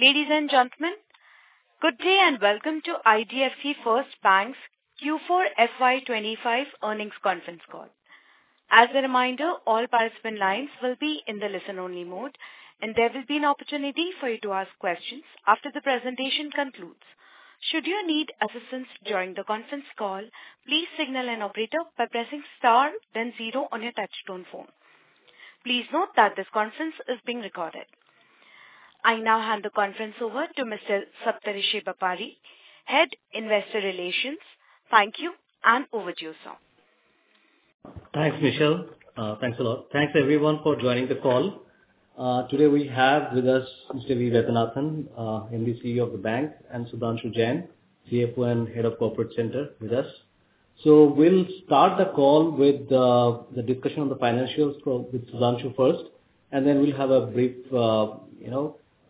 Ladies and gentlemen, good day and welcome to IDFC First Bank's Q4 FY25 earnings conference call. As a reminder, all participant lines will be in the listen-only mode, and there will be an opportunity for you to ask questions after the presentation concludes. Should you need assistance during the conference call, please signal an operator by pressing star, then zero on your touchstone phone. Please note that this conference is being recorded. I now hand the conference over to Mr. Saptarshi Bapari, Head of Investor Relations. Thank you, and over to you, sir. Thanks, Michelle. Thanks a lot. Thanks, everyone, for joining the call. Today we have with us Mr. Vembu Vaidyanathan, MD and CEO of the bank, and Sudhanshu Jain, CFO and Head of Corporate Center, with us. We will start the call with the discussion on the financials with Sudhanshu first, and then we will have a brief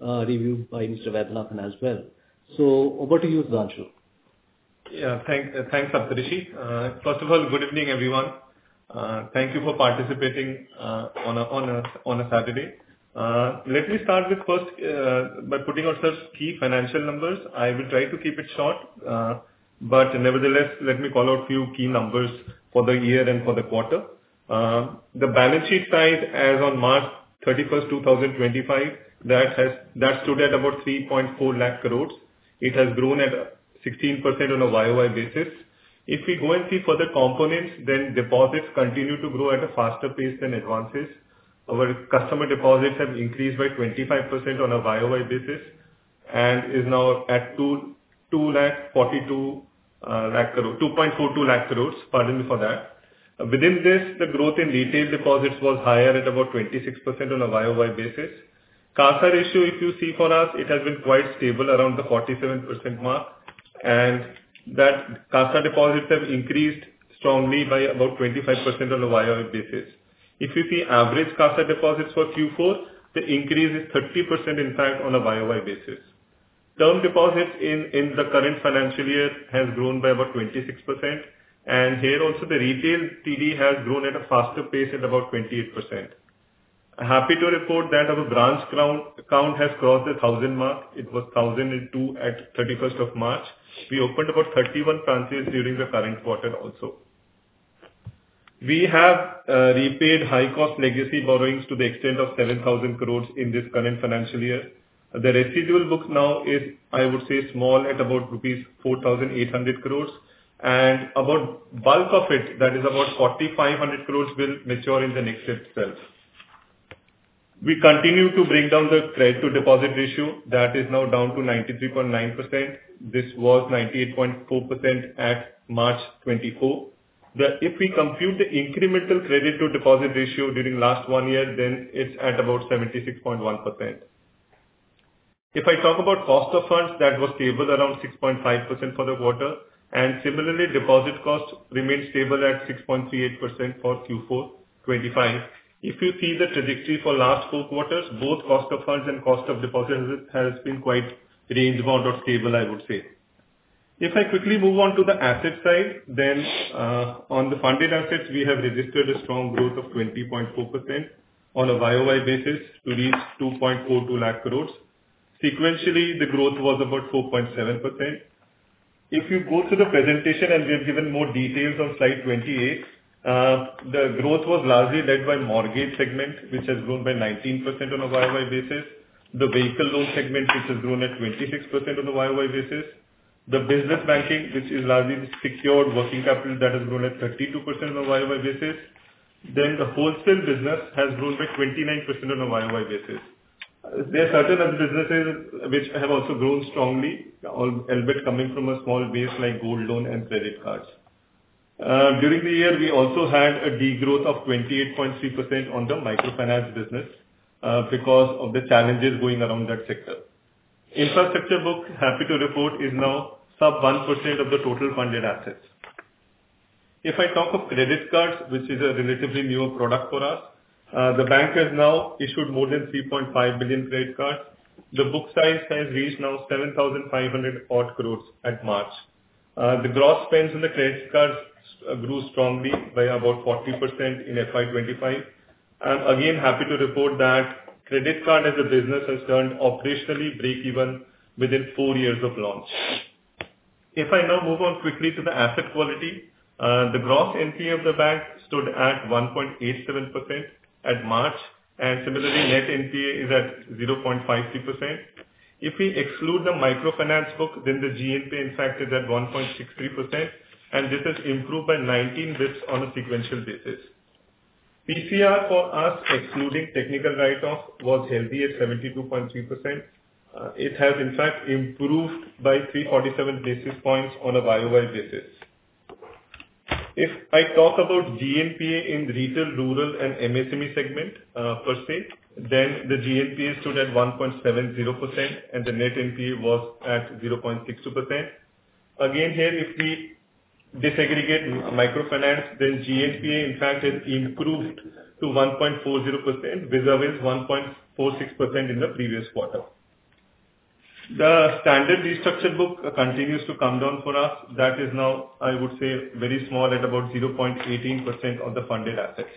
review by Mr. Vaidyanathan as well. Over to you, Sudhanshu. Yeah, thanks, Saptarshi. First of all, good evening, everyone. Thank you for participating on a Saturday. Let me start with first by putting out some key financial numbers. I will try to keep it short, but nevertheless, let me call out a few key numbers for the year and for the quarter. The balance sheet size as of March 31, 2025, that stood at about 3.4 lakh crores. It has grown at 16% on a Yoy basis. If we go and see further components, then deposits continue to grow at a faster pace than advances. Our customer deposits have increased by 25% on a Yoy basis and is now at 2.42 lakh crores. Pardon me for that. Within this, the growth in retail deposits was higher at about 26% on a Yoy basis. CASA ratio, if you see for us, it has been quite stable around the 47% mark, and that CASA deposits have increased strongly by about 25% on a year-over-year basis. If you see average CASA deposits for Q4, the increase is 30%, in fact, on a year-over-year basis. Term deposits in the current financial year have grown by about 26%, and here also the retail TD has grown at a faster pace at about 28%. Happy to report that our branch count has crossed the 1,000 mark. It was 1,002 at 31st of March. We opened about 31 branches during the current quarter also. We have repaid high-cost legacy borrowings to the extent of 7,000 crore in this current financial year. The residual book now is, I would say, small at about rupees 4,800 crore, and about bulk of it, that is about 4,500 crore, will mature in the next steps. We continue to bring down the credit-to-deposit ratio. That is now down to 93.9%. This was 98.4% at March 2024. If we compute the incremental credit-to-deposit ratio during the last one year, then it's at about 76.1%. If I talk about cost of funds, that was stable around 6.5% for the quarter, and similarly, deposit cost remained stable at 6.38% for Q4 2025. If you see the trajectory for last four quarters, both cost of funds and cost of deposits has been quite range-bound or stable, I would say. If I quickly move on to the asset side, then on the funded assets, we have registered a strong growth of 20.4% on a year-over-year basis to reach 2.42 lakh crores. Sequentially, the growth was about 4.7%. If you go to the presentation and we have given more details on slide 28, the growth was largely led by the mortgage segment, which has grown by 19% on a year-over-year basis. The vehicle loan segment, which has grown at 26% on a year-over-year basis. The business banking, which is largely secured working capital, that has grown at 32% on a year-over-year basis. The wholesale business has grown by 29% on a year-over-year basis. There are certain other businesses which have also grown strongly, albeit coming from a small base like gold loan and credit cards. During the year, we also had a degrowth of 28.3% on the microfinance business because of the challenges going around that sector. Infrastructure book, happy to report, is now sub 1% of the total funded assets. If I talk of credit cards, which is a relatively newer product for us, the bank has now issued more than 3.5 million credit cards. The book size has reached now 7,500 crore at March. The gross spends on the credit cards grew strongly by about 40% in FY25. I'm again happy to report that credit card as a business has turned operationally break-even within four years of launch. If I now move on quickly to the asset quality, the gross NPA of the bank stood at 1.87% at March, and similarly, net NPA is at 0.53%. If we exclude the microfinance book, then the GNPA, in fact, is at 1.63%, and this has improved by 19 basis points on a sequential basis. PCR for us, excluding technical write-off, was healthy at 72.3%. It has, in fact, improved by 347 basis points on a year-over-year basis. If I talk about GNPA in retail, rural, and MSME segment per se, then the GNPA stood at 1.70%, and the net NPA was at 0.62%. Again, here, if we disaggregate microfinance, then GNPA, in fact, has improved to 1.40%, reserving 1.46% in the previous quarter. The standard restructured book continues to come down for us. That is now, I would say, very small at about 0.18% of the funded assets.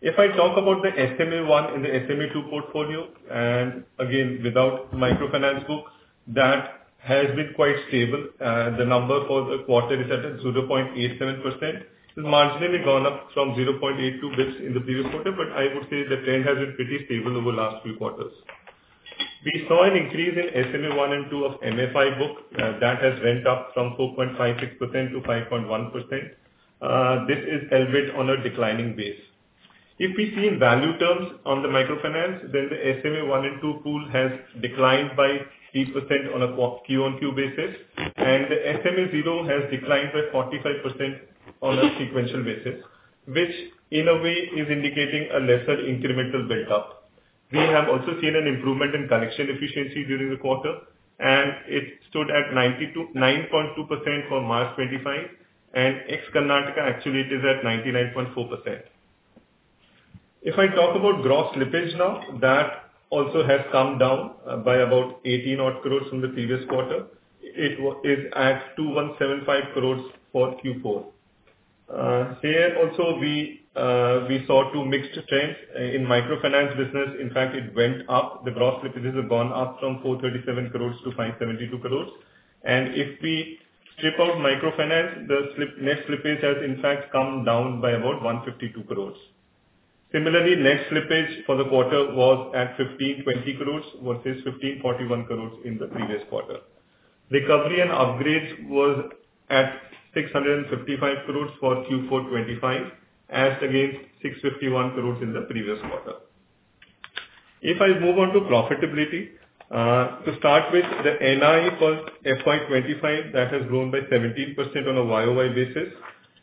If I talk about the SMA1 and the SMA2 portfolio, and again, without microfinance book, that has been quite stable. The number for the quarter is at 0.87%. It's marginally gone up from 0.82 basis points in the previous quarter, but I would say the trend has been pretty stable over the last few quarters. We saw an increase in SMA1 and 2 of MFI book. That has gone up from 4.56% to 5.1%. This is albeit on a declining base. If we see in value terms on the microfinance, then the SMA1 and 2 pool has declined by 3% on a Q-on-Q basis, and the SMA0 has declined by 45% on a sequential basis, which in a way is indicating a lesser incremental build-up. We have also seen an improvement in collection efficiency during the quarter, and it stood at 99.2% for March 2025, and ex-Karnataka, actually, it is at 99.4%. If I talk about gross slippage now, that also has come down by about 18 crore from the previous quarter. It is at 2,175 crore for Q4. Here also, we saw two mixed trends. In microfinance business, in fact, it went up. The gross slippage has gone up from 437 crore to 572 crore. If we strip out microfinance, the net slippage has, in fact, come down by about 152 crore. Similarly, net slippage for the quarter was at 1,520 crore versus 1,541 crore in the previous quarter. Recovery and upgrades was at 655 crore for Q4 2025, as against 651 crore in the previous quarter. If I move on to profitability, to start with, the NI for FY 2025, that has grown by 17% on a Yoy basis,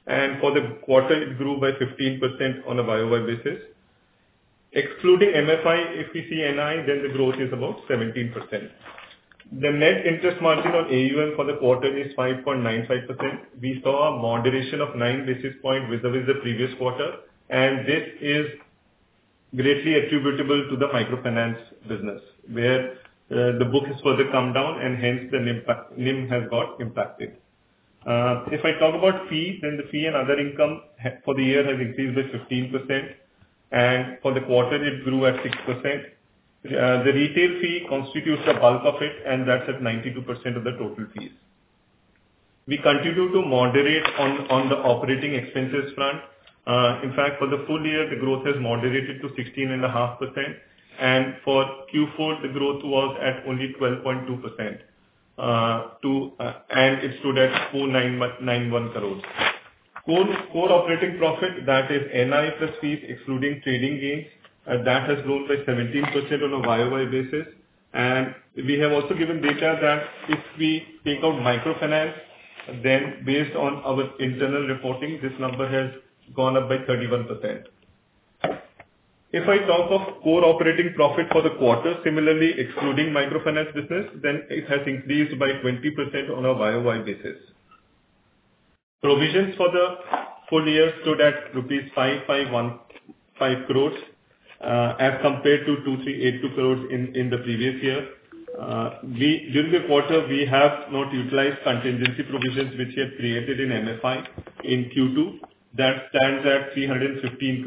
and for the quarter, it grew by 15% on a Yoy basis. Excluding MFI, if we see NI, then the growth is about 17%. The net interest margin on AUM for the quarter is 5.95%. We saw a moderation of 9 basis points vis-à-vis the previous quarter, and this is greatly attributable to the microfinance business, where the book has further come down, and hence the NIM has got impacted. If I talk about fee, then the fee and other income for the year has increased by 15%, and for the quarter, it grew at 6%. The retail fee constitutes the bulk of it, and that's at 92% of the total fees. We continue to moderate on the operating expenses front. In fact, for the full year, the growth has moderated to 16.5%, and for Q4, the growth was at only 12.2%, and it stood at 491 crore. Core operating profit, that is NI plus fees, excluding trading gains, that has grown by 17% on a Yoy basis. We have also given data that if we take out microfinance, then based on our internal reporting, this number has gone up by 31%. If I talk of core operating profit for the quarter, similarly, excluding microfinance business, then it has increased by 20% on a Yoy basis. Provisions for the full year stood at rupees 5,515 crore as compared to 2,382 crore in the previous year. During the quarter, we have not utilized contingency provisions which we had created in MFI in Q2. That stands at 315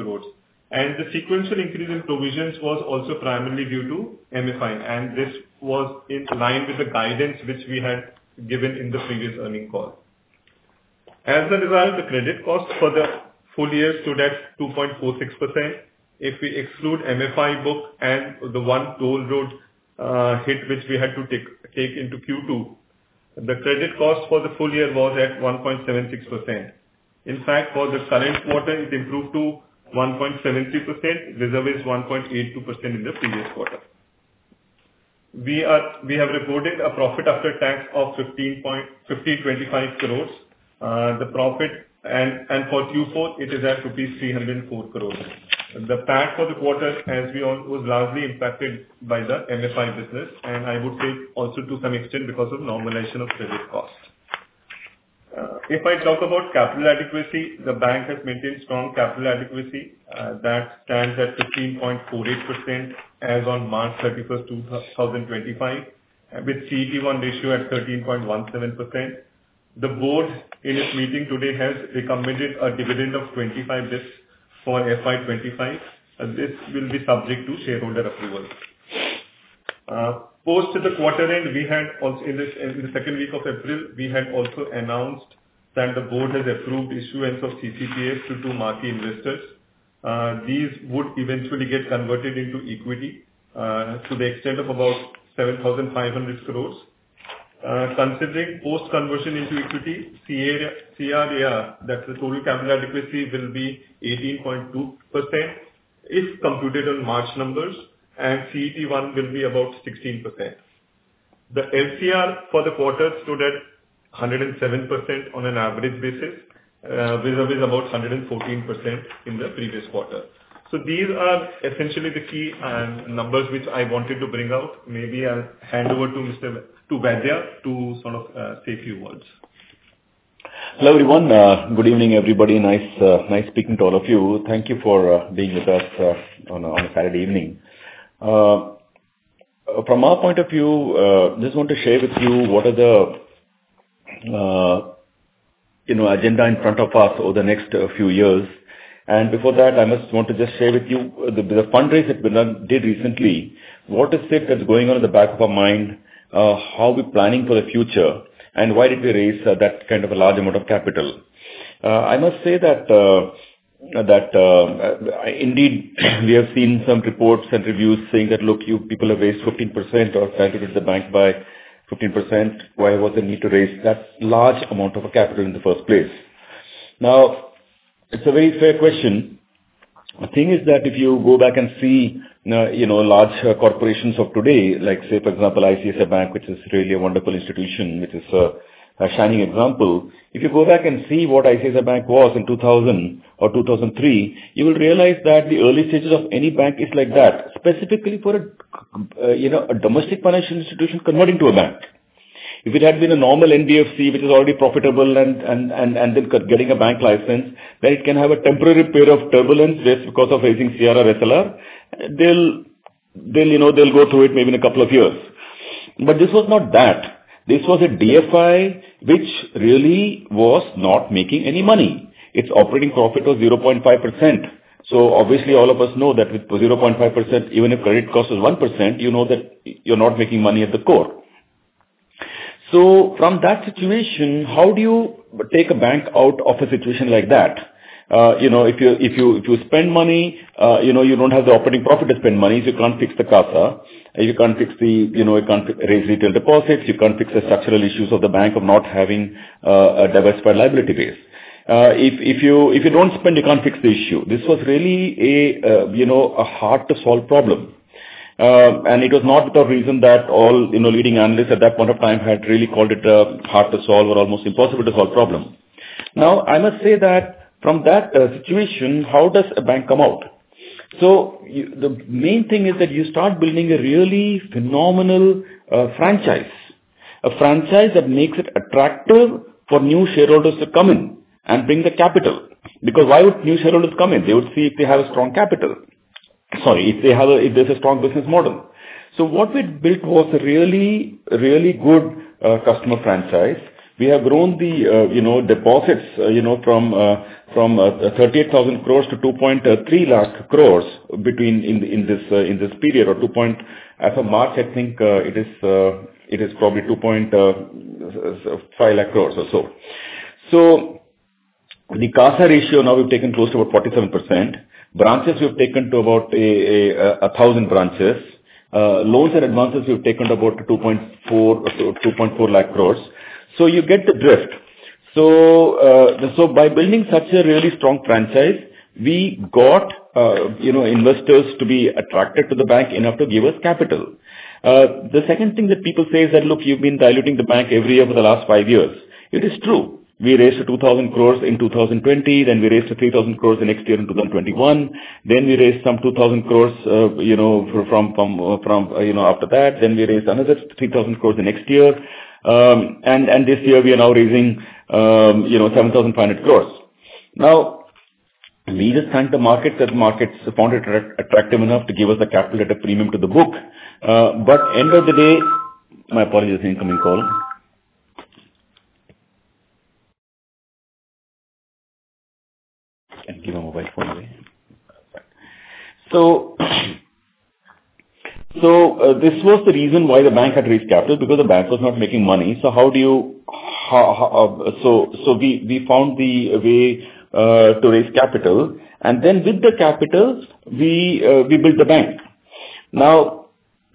crore. The sequential increase in provisions was also primarily due to MFI, and this was in line with the guidance which we had given in the previous earning call. As a result, the credit cost for the full year stood at 2.46%. If we exclude the MFI book and the one toll road hit which we had to take into Q2, the credit cost for the full year was at 1.76%. In fact, for the current quarter, it improved to 1.73%, versus 1.82% in the previous quarter. We have reported a profit after tax of 1,525 crore. The profit for Q4, it is at rupees 304 crore. The PAT for the quarter, as we all know, was largely impacted by the MFI business, and I would say also to some extent because of normalization of credit cost. If I talk about capital adequacy, the bank has maintained strong capital adequacy. That stands at 15.48% as on March 31, 2025, with CET1 ratio at 13.17%. The board, in its meeting today, has recommended a dividend of 25 basis points for FY25. This will be subject to shareholder approval. Post the quarter-end, we had also in the second week of April, we had also announced that the board has approved issuance of CCPAs to two MATI investors. These would eventually get converted into equity to the extent of about 7,500 crore. Considering post-conversion into equity, CRAR, that's the total capital adequacy, will be 18.2% if computed on March numbers, and CET1 will be about 16%. The LCR for the quarter stood at 107% on an average basis, reserving about 114% in the previous quarter. These are essentially the key numbers which I wanted to bring out. Maybe I'll hand over to Mr. Vaidyanathan to sort of say a few words. Hello, everyone. Good evening, everybody. Nice speaking to all of you. Thank you for being with us on a Saturday evening. From our point of view, I just want to share with you what are the agenda in front of us over the next few years. Before that, I just want to share with you the fundraiser that we did recently. What is it that's going on in the back of our mind? How are we planning for the future? Why did we raise that kind of a large amount of capital? I must say that indeed, we have seen some reports and reviews saying that, "Look, people have raised 15% or trying to get the bank by 15%. Why was there a need to raise that large amount of capital in the first place?" Now, it's a very fair question. The thing is that if you go back and see large corporations of today, like say, for example, ICICI Bank, which is really a wonderful institution, which is a shining example. If you go back and see what ICICI Bank was in 2000 or 2003, you will realize that the early stages of any bank is like that, specifically for a domestic financial institution converting to a bank. If it had been a normal NBFC, which is already profitable and then getting a bank license, then it can have a temporary period of turbulence just because of raising CRR, SLR. They'll go through it maybe in a couple of years. This was not that. This was a DFI, which really was not making any money. Its operating profit was 0.5%. Obviously, all of us know that with 0.5%, even if credit cost is 1%, you know that you're not making money at the core. From that situation, how do you take a bank out of a situation like that? If you spend money, you don't have the operating profit to spend money, so you can't fix the CASA. You can't fix the raise retail deposits. You can't fix the structural issues of the bank of not having a diversified liability base. If you don't spend, you can't fix the issue. This was really a hard-to-solve problem. It was not without reason that all leading analysts at that point of time had really called it a hard-to-solve or almost impossible-to-solve problem. I must say that from that situation, how does a bank come out? The main thing is that you start building a really phenomenal franchise, a franchise that makes it attractive for new shareholders to come in and bring the capital. Because why would new shareholders come in? They would see if they have a strong capital. Sorry, if there's a strong business model. What we built was a really good customer franchise. We have grown the deposits from 38,000 crore to 230,000 crore in this period or two. As of March, I think it is probably 250,000 crore or so. The CASA ratio now we've taken close to about 47%. Branches we've taken to about 1,000 branches. Loans and advances we've taken to about 2.4 lakh crores. You get the drift. By building such a really strong franchise, we got investors to be attracted to the bank enough to give us capital. The second thing that people say is that, "Look, you've been diluting the bank every year for the last five years." It is true. We raised 2,000 crores in 2020, then we raised 3,000 crores the next year in 2021. Then we raised some 2,000 crores after that. Then we raised another 3,000 crores the next year. This year, we are now raising 7,500 crores. We just thank the markets that the markets found it attractive enough to give us the capital at a premium to the book. End of the day, my apologies for the incoming call. Can't give a mobile phone away. This was the reason why the bank had raised capital because the bank was not making money. How do you? We found the way to raise capital. Then with the capital, we built the bank. Now,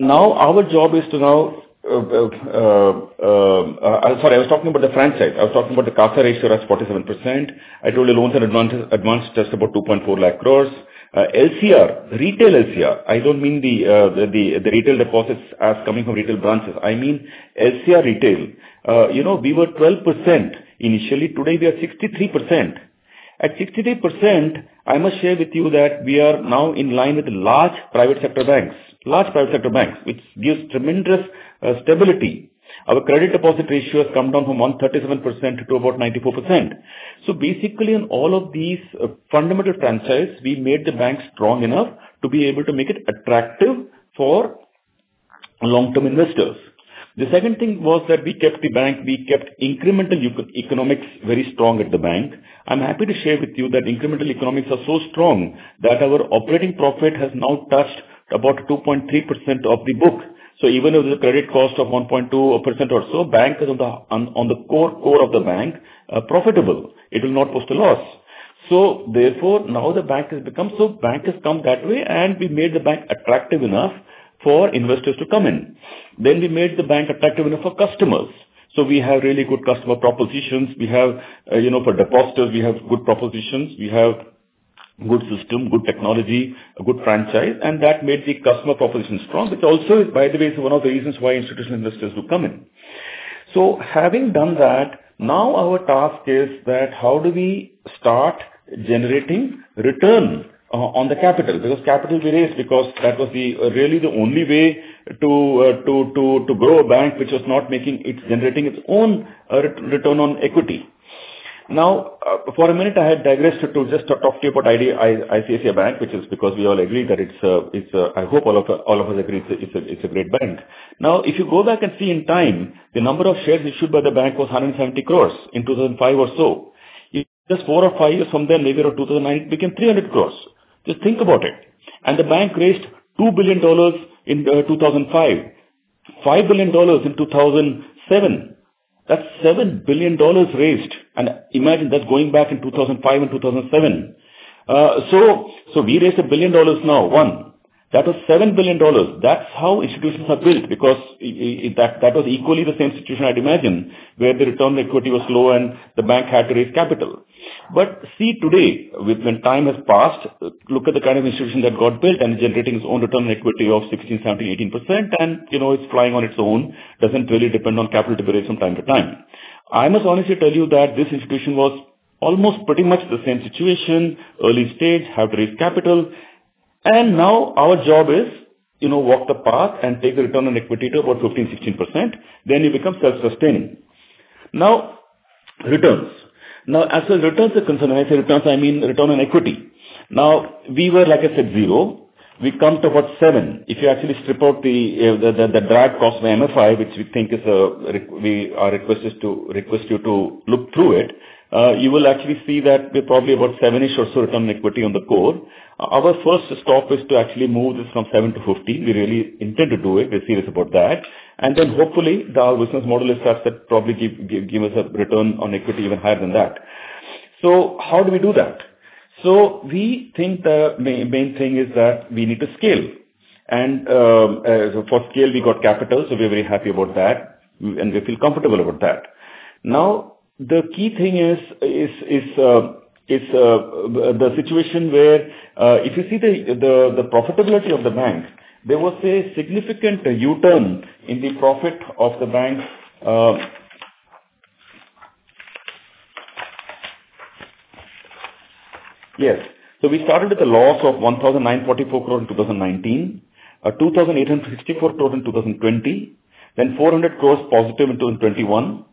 our job is to now, sorry, I was talking about the franchise. I was talking about the CASA ratio at 47%. I told you loans and advances just about 2.4 lakh crore. LCR, retail LCR. I do not mean the retail deposits as coming from retail branches. I mean LCR retail. We were 12% initially. Today, we are 63%. At 63%, I must share with you that we are now in line with large private sector banks, large private sector banks, which gives tremendous stability. Our credit deposit ratio has come down from 137% to about 94%. Basically, in all of these fundamental franchises, we made the bank strong enough to be able to make it attractive for long-term investors. The second thing was that we kept the bank, we kept incremental economics very strong at the bank. I'm happy to share with you that incremental economics are so strong that our operating profit has now touched about 2.3% of the book. Even with a credit cost of 1.2% or so, bank is on the core of the bank profitable. It will not post a loss. Therefore, now the bank has become so bank has come that way, and we made the bank attractive enough for investors to come in. We made the bank attractive enough for customers. We have really good customer propositions. We have for depositors, we have good propositions. We have good system, good technology, good franchise, and that made the customer proposition strong, which also, by the way, is one of the reasons why institutional investors do come in. Having done that, now our task is that how do we start generating return on the capital? Because capital we raised because that was really the only way to grow a bank which was not making its generating its own return on equity. For a minute, I had digressed to just talk to you about ICICI Bank, which is because we all agree that it's a, I hope all of us agree it's a great bank. If you go back and see in time, the number of shares issued by the bank was 170 crore in 2005 or so. Just four or five years from then, maybe around 2009, it became 300 crore. Just think about it. The bank raised $2 billion in 2005, $5 billion in 2007. That is $7 billion raised. Imagine that going back in 2005 and 2007. We raised a billion dollars now. One, that was $7 billion. That is how institutions are built because that was equally the same situation I would imagine where the return on equity was low and the bank had to raise capital. See today, when time has passed, look at the kind of institution that got built and is generating its own return on equity of 16%, 17%, 18%, and it is flying on its own, does not really depend on capital to be raised from time to time. I must honestly tell you that this institution was almost pretty much the same situation, early stage, had to raise capital. Now our job is walk the path and take the return on equity to about 15-16%, then you become self-sustaining. Now, returns. Now, as for returns are concerned, when I say returns, I mean return on equity. Now, we were, like I said, zero. We come to about seven. If you actually strip out the drag cost of MFI, which we think is our request is to request you to look through it, you will actually see that we're probably about seven-ish or so return on equity on the core. Our first stop is to actually move this from 7 to 15. We really intend to do it. We're serious about that. Hopefully, our business model is such that probably give us a return on equity even higher than that. How do we do that? We think the main thing is that we need to scale. For scale, we got capital, so we're very happy about that, and we feel comfortable about that. Now, the key thing is the situation where if you see the profitability of the bank, there was a significant U-turn in the profit of the bank. Yes. We started with a loss of 1,944 crore in 2019, 2,864 crore in 2020, then 400 crore positive in 2021,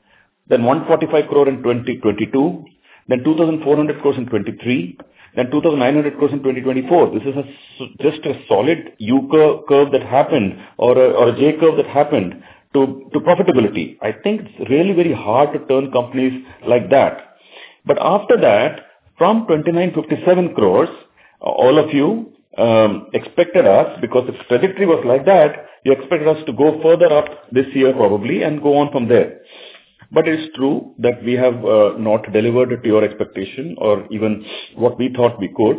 then 145 crore in 2022, then 2,400 crore in 2023, then 2,900 crore in 2024. This is just a solid U-curve that happened or a J-curve that happened to profitability. I think it's really very hard to turn companies like that. After that, from 2,957 crores, all of you expected us because if the trajectory was like that, you expected us to go further up this year probably and go on from there. It is true that we have not delivered to your expectation or even what we thought we could.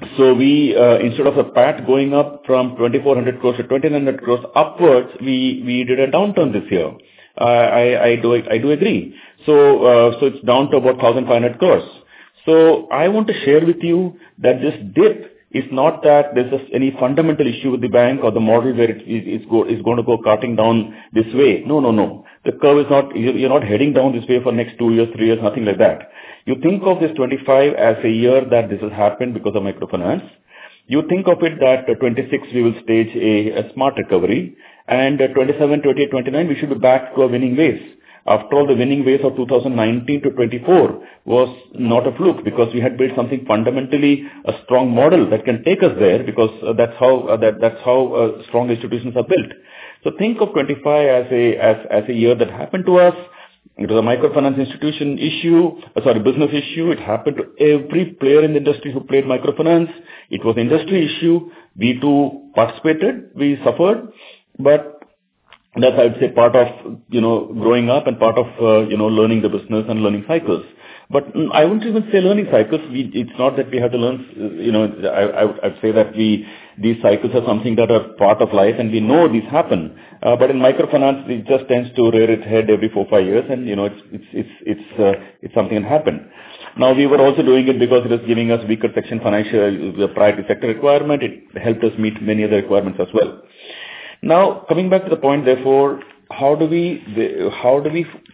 Instead of a PAT going up from 2,400 crores to 2,900 crores upwards, we did a downturn this year. I do agree. It is down to about 1,500 crores. I want to share with you that this dip is not that there is any fundamental issue with the bank or the model where it is going to go cutting down this way. No, no, no. The curve is not, you are not heading down this way for the next two years, three years, nothing like that. You think of this 2025 as a year that this has happened because of microfinance. You think of it that 2026 we will stage a smart recovery, and 2027, 2028, 2029, we should be back to a winning wave. After all, the winning wave of 2019 to 2024 was not a fluke because we had built something fundamentally a strong model that can take us there because that is how strong institutions are built. Think of 2025 as a year that happened to us. It was a microfinance institution issue, sorry, business issue. It happened to every player in the industry who played microfinance. It was an industry issue. We too participated. We suffered. That is, I would say, part of growing up and part of learning the business and learning cycles. I would not even say learning cycles. It is not that we had to learn. I would say that these cycles are something that are part of life, and we know these happen. In microfinance, it just tends to rear its head every four, five years, and it is something that happened. We were also doing it because it was giving us weaker section financial priority sector requirement. It helped us meet many other requirements as well. Coming back to the point, therefore, how do we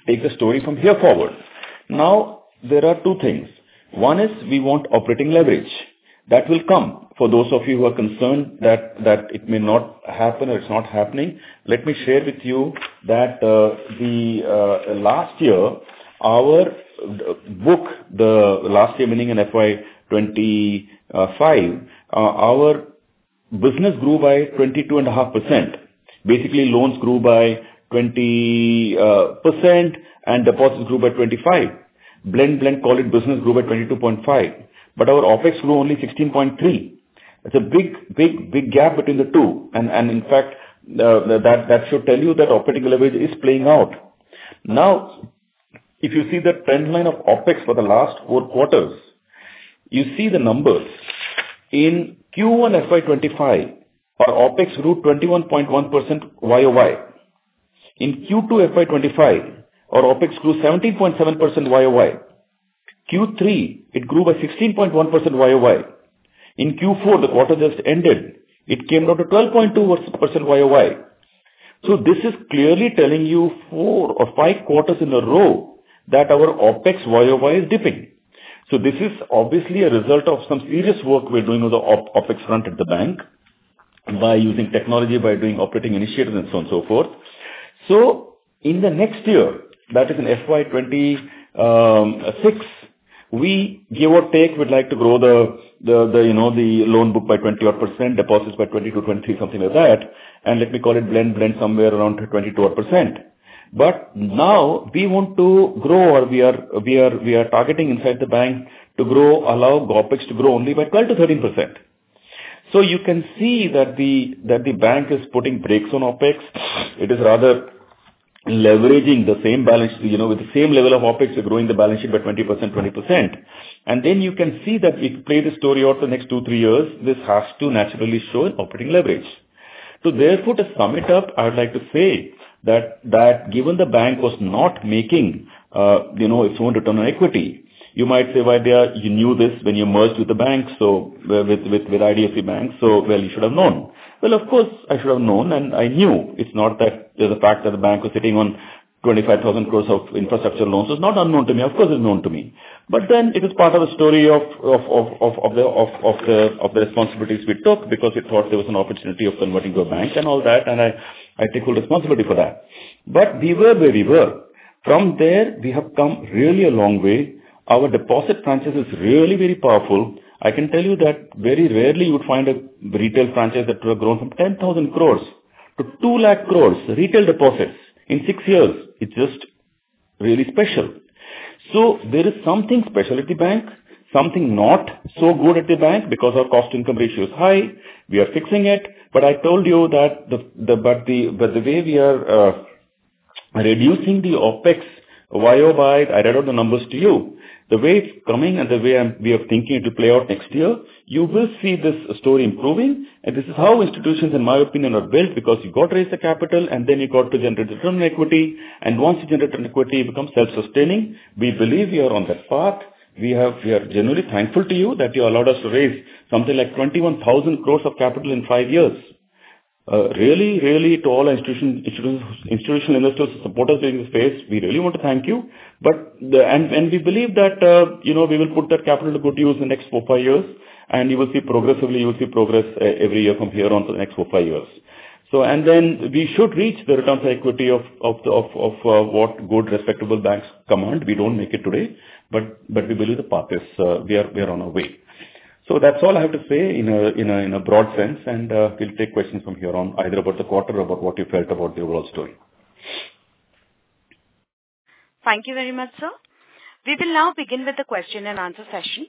take the story from here forward? There are two things. One is we want operating leverage. That will come. For those of you who are concerned that it may not happen or it is not happening, let me share with you that last year, our book, the last year, meaning in FY 2025, our business grew by 22.5%. Basically, loans grew by 20% and deposits grew by 25%. Blend, blend, call it business grew by 22.5%. Our OPEX grew only 16.3%. It is a big, big, big gap between the two. In fact, that should tell you that operating leverage is playing out. Now, if you see the trend line of OPEX for the last four quarters, you see the numbers. In Q1 FY 2025, our OPEX grew 21.1% Yoy. In Q2 FY 2025, our OPEX grew 17.7% Yoy. Q3, it grew by 16.1% Yoy. In Q4, the quarter just ended, it came down to 12.2% Yoy. This is clearly telling you four or five quarters in a row that our OPEX Yoy is dipping. This is obviously a result of some serious work we are doing with the OPEX front at the bank by using technology, by doing operating initiatives, and so on and so forth. In the next year, that is in FY 2026, we give or take we'd like to grow the loan book by 20%, deposits by 22-23%, something like that. Let me call it blend, blend somewhere around 22%. Now we want to grow, or we are targeting inside the bank to allow OPEX to grow only by 12-13%. You can see that the bank is putting brakes on OPEX. It is rather leveraging the same balance sheet with the same level of OPEX, growing the balance sheet by 20%, 20%. You can see that if you play the story out the next two, three years, this has to naturally show operating leverage. Therefore, to sum it up, I would like to say that given the bank was not making its own return on equity, you might say, "Why? You knew this when you merged with the bank, with IDFC First Bank, so you should have known. Of course, I should have known, and I knew. It's not that there's a fact that the bank was sitting on 25,000 crore of infrastructure loans. It's not unknown to me. Of course, it's known to me. It is part of the story of the responsibilities we took because we thought there was an opportunity of converting to a bank and all that, and I take full responsibility for that. We were where we were. From there, we have come really a long way. Our deposit franchise is really very powerful. I can tell you that very rarely you would find a retail franchise that would have grown from 10,000 crore to 200,000 crore retail deposits in six years. It's just really special. There is something special at the bank, something not so good at the bank because our cost-income ratio is high. We are fixing it. I told you that the way we are reducing the OPEX year-over-year, I read out the numbers to you. The way it's coming and the way we are thinking it will play out next year, you will see this story improving. This is how institutions, in my opinion, are built because you got to raise the capital, and then you got to generate return on equity. Once you generate return on equity, you become self-sustaining. We believe we are on that path. We are genuinely thankful to you that you allowed us to raise 21,000 crore of capital in five years. Really, really, to all our institutional investors who support us during this phase, we really want to thank you. We believe that we will put that capital to good use in the next four-five years, and you will see progressively, you will see progress every year from here on to the next four-five years. We should reach the returns on equity of what good, respectable banks command. We do not make it today, but we believe the path is we are on our way. That is all I have to say in a broad sense, and we will take questions from here on, either about the quarter or about what you felt about the overall story. Thank you very much, sir. We will now begin with the question and answer session.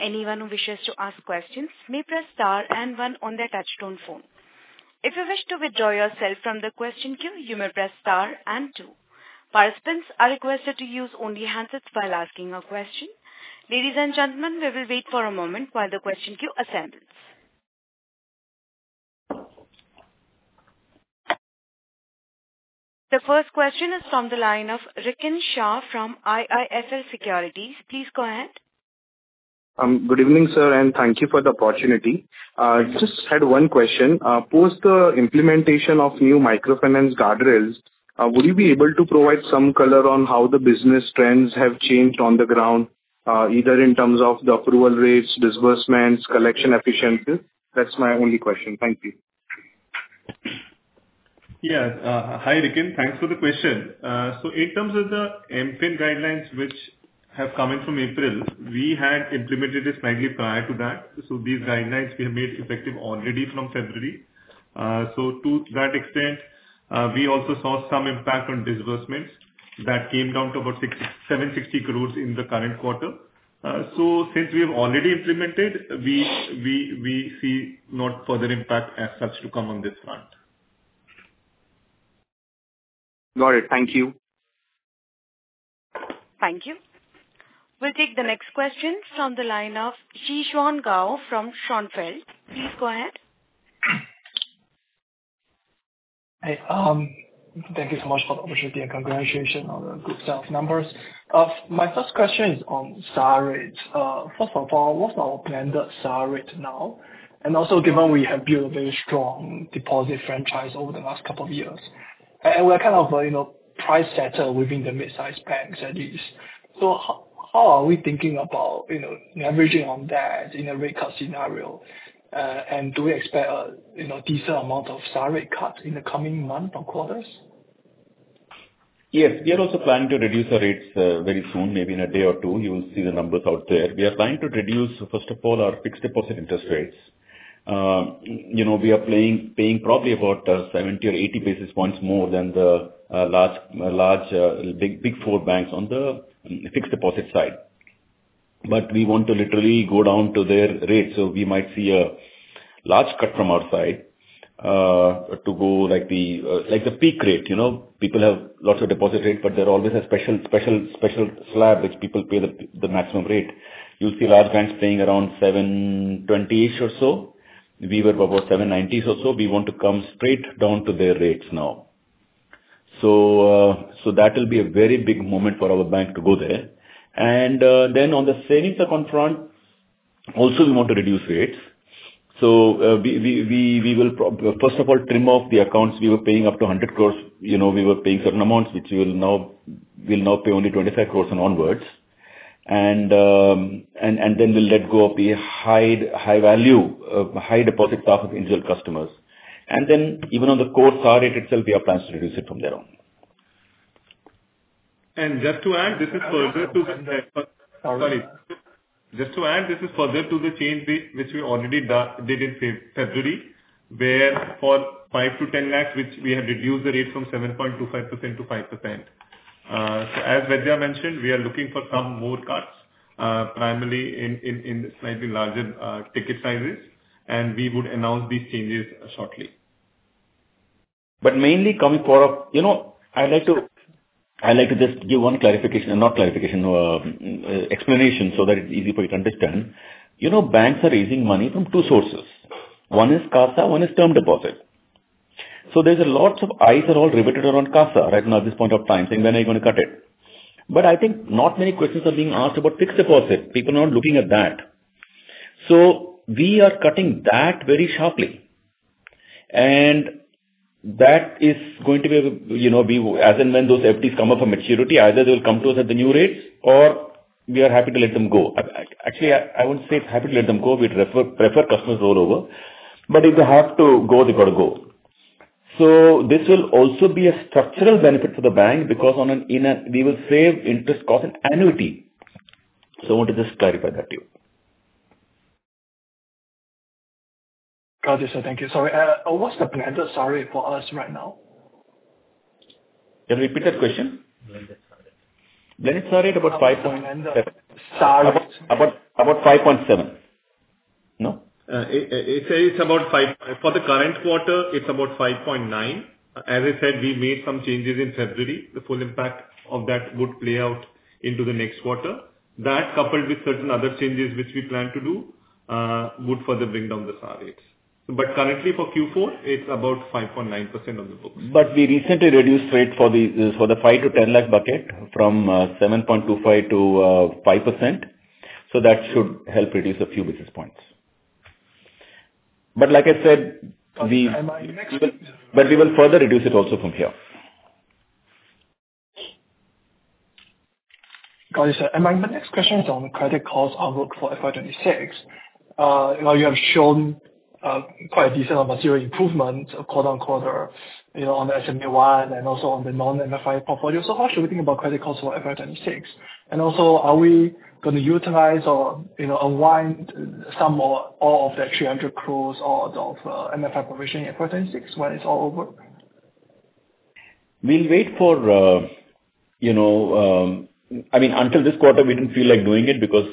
Anyone who wishes to ask questions may press star and one on their touchstone phone. If you wish to withdraw yourself from the question queue, you may press star and two. Participants are requested to use only handsets while asking a question. Ladies and gentlemen, we will wait for a moment while the question queue assembles. The first question is from the line of Rickin Shah from IIFL Securities. Please go ahead. Good evening, sir, and thank you for the opportunity. Just had one question. Post the implementation of new microfinance guardrails, would you be able to provide some color on how the business trends have changed on the ground, either in terms of the approval rates, disbursements, collection efficiency? That's my only question. Thank you. Yeah. Hi, Rickin. Thanks for the question. In terms of the MFIN guidelines, which have come in from April, we had implemented it slightly prior to that. These guidelines we have made effective already from February. To that extent, we also saw some impact on disbursements that came down to about 760 crore in the current quarter. Since we have already implemented, we see not further impact as such to come on this front. Got it. Thank you. Thank you. We'll take the next question from the line of Xishuan Gao from Shaunfeld. Please go ahead. Thank you so much for the opportunity and congratulations on the good sales numbers. My first question is on star rates. First of all, what's our blended star rate now? Also, given we have built a very strong deposit franchise over the last couple of years, and we're kind of price-setter within the mid-size banks at least, how are we thinking about leveraging on that in a rate cut scenario? Do we expect a decent amount of star rate cuts in the coming month or quarters? Yes. We are also planning to reduce our rates very soon. Maybe in a day or two, you will see the numbers out there. We are trying to reduce, first of all, our fixed deposit interest rates. We are paying probably about 70 or 80 basis points more than the large big four banks on the fixed deposit side. We want to literally go down to their rate. We might see a large cut from our side to go like the peak rate. People have lots of deposit rates, but there is always a special slab which people pay the maximum rate. You will see large banks paying around 720-ish or so. We were about INR 790s or so. We want to come straight down to their rates now. That will be a very big moment for our bank to go there. On the savings account front, also we want to reduce rates. We will, first of all, trim off the accounts we were paying up to 100 crore. We were paying certain amounts, which we will now pay only 25 crore and onwards. We will let go of the high-value, high-deposit stuff of individual customers. Even on the core star rate itself, we have plans to reduce it from there on. Just to add, this is further to the change which we already did in February, where for 5-10 lakh, we have reduced the rate from 7.25% to 5%. As Vembu mentioned, we are looking for some more cuts, primarily in slightly larger ticket sizes, and we would announce these changes shortly. Mainly coming forward, I'd like to just give one clarification, not clarification, explanation so that it's easy for you to understand. Banks are raising money from two sources. One is CASA, one is term deposit. There are a lot of eyes that are all riveted around CASA right now at this point of time, saying, "When are you going to cut it?" I think not many questions are being asked about fixed deposit. People are not looking at that. We are cutting that very sharply. That is going to be as and when those FDs come up for maturity, either they will come to us at the new rates, or we are happy to let them go. Actually, I would not say it is happy to let them go. We prefer customers' rollover. If they have to go, they got to go. This will also be a structural benefit for the bank because we will save interest costs and annuity. I want to just clarify that to you. Got it, sir. Thank you. Sorry. What is the blended star rate for us right now? Can you repeat that question? Blended star rate. Blended star rate about 5.7. Star rate. About 5.7. No? It is about 5. For the current quarter, it is about 5.9. As I said, we made some changes in February. The full impact of that would play out into the next quarter. That, coupled with certain other changes which we plan to do, would further bring down the star rates. Currently, for Q4, it is about 5.9% on the books. We recently reduced rate for the 5-10 lakh bucket from 7.25% to 5%. That should help reduce a few basis points. Like I said, we will further reduce it also from here. Got it, sir. My next question is on credit costs outlook for FY 2026. You have shown quite a decent material improvement on the SMA-1 and also on the non-MFI portfolio. How should we think about credit costs for FY 2026? Also, are we going to utilize or unwind some or all of that 300 crore of the MFI provisioning in FY 2026 when it is all over? We will wait for, I mean, until this quarter, we did not feel like doing it because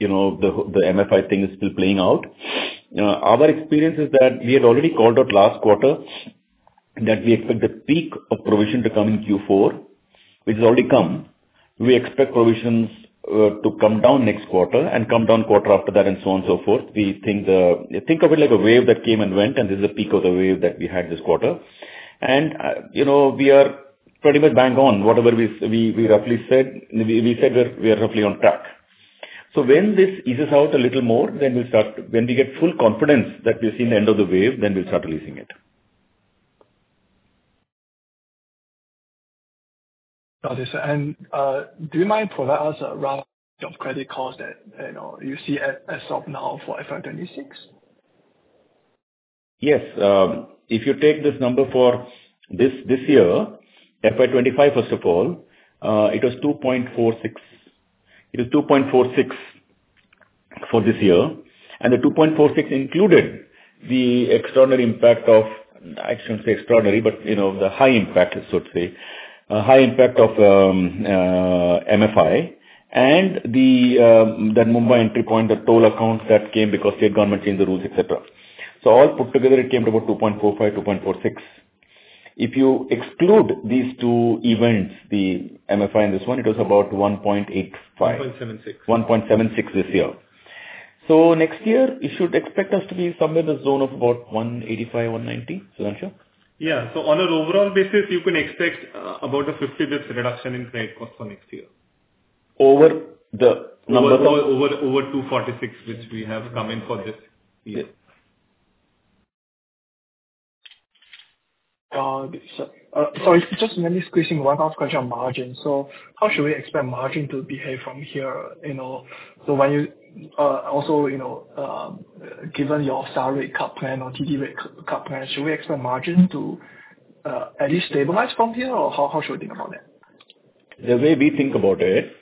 the MFI thing is still playing out. Our experience is that we had already called out last quarter that we expect the peak of provision to come in Q4, which has already come. We expect provisions to come down next quarter and come down quarter after that and so on and so forth. We think of it like a wave that came and went, and this is the peak of the wave that we had this quarter. We are pretty much bang on. Whatever we roughly said, we said we are roughly on track. When this eases out a little more, we will start when we get full confidence that we have seen the end of the wave, we will start releasing it. Got it, sir. Do you mind for us a round of credit costs that you see as of now for FY 2026? Yes. If you take this number for this year, FY 2025, first of all, it was 2.46. It was 2.46 for this year. The 2.46 included the extraordinary impact of, I shouldn't say extraordinary, but the high impact, so to say, high impact of MFI and that Mumbai entry point, the toll accounts that came because state government changed the rules, etc. All put together, it came to about 2.45-2.46. If you exclude these two events, the MFI and this one, it was about 1.85-1.76. 1.76 this year. Next year, you should expect us to be somewhere in the zone of about 1.85-1.90. I'm sure. Yeah. On an overall basis, you can expect about a 50-digit reduction in credit costs for next year. Over the number of? Over 2.46, which we have come in for this year. Sorry, just maybe squeezing one last question on margin. How should we expect margin to behave from here? When you also given your salary cut plan or TD rate cut plan, should we expect margin to at least stabilize from here? How should we think about that? The way we think about it,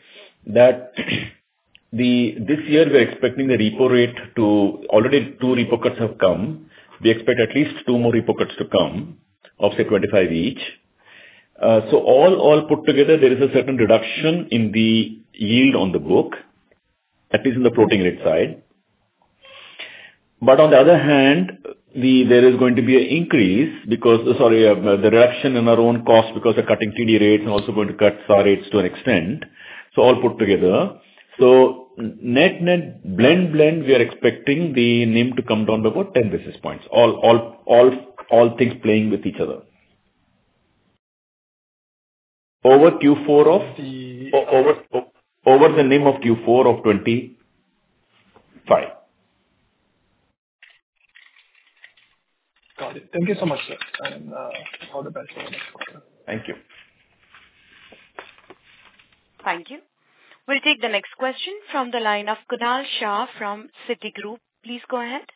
this year, we're expecting the repo rate to already two repo cuts have come. We expect at least two more repo cuts to come of say 25 each. All put together, there is a certain reduction in the yield on the book, at least in the floating rate side. On the other hand, there is going to be an increase because, sorry, the reduction in our own costs because we're cutting TD rates and also going to cut star rates to an extent. All put together. Net-net blend blend, we are expecting the NIM to come down to about 10 basis points. All things playing with each other. Over Q4 of over the NIM of Q4 of 2025. Got it. Thank you so much, sir. All the best for the next quarter. Thank you. Thank you. We'll take the next question from the line of Kunal Shah from Citigroup. Please go ahead.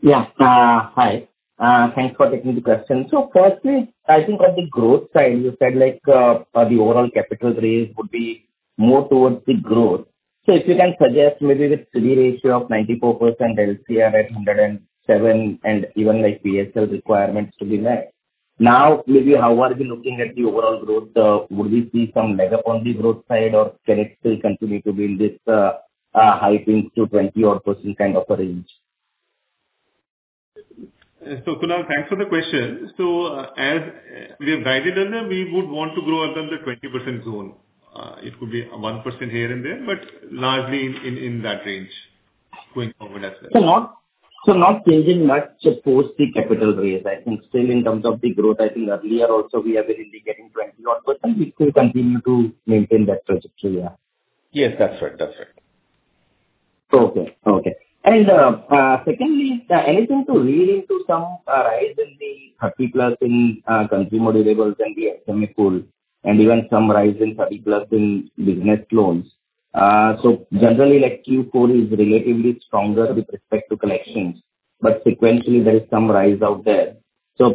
Yeah. Hi. Thanks for taking the question. Firstly, I think on the growth side, you said the overall capital raise would be more towards the growth. If you can suggest maybe with CD ratio of 94%, LCR at 107, and even PSL requirements to be met. Now, maybe how are we looking at the overall growth? Would we see some leg up on the growth side, or can it still continue to be in this high teens to 20% kind of a range? Kunal, thanks for the question. As we have guided earlier, we would want to grow under the 20% zone. It could be 1% here and there, but largely in that range going forward as well. Not changing much towards the capital raise. I think still in terms of the growth, I think earlier also we have been indicating 20% or so. We still continue to maintain that trajectory. Yes, that's right. That's right. Okay. Okay. Secondly, anything to read into some rise in the 30 plus in consumer deliverables and the SMA pool, and even some rise in 30 plus in business loans? Generally, Q4 is relatively stronger with respect to collections, but sequentially, there is some rise out there.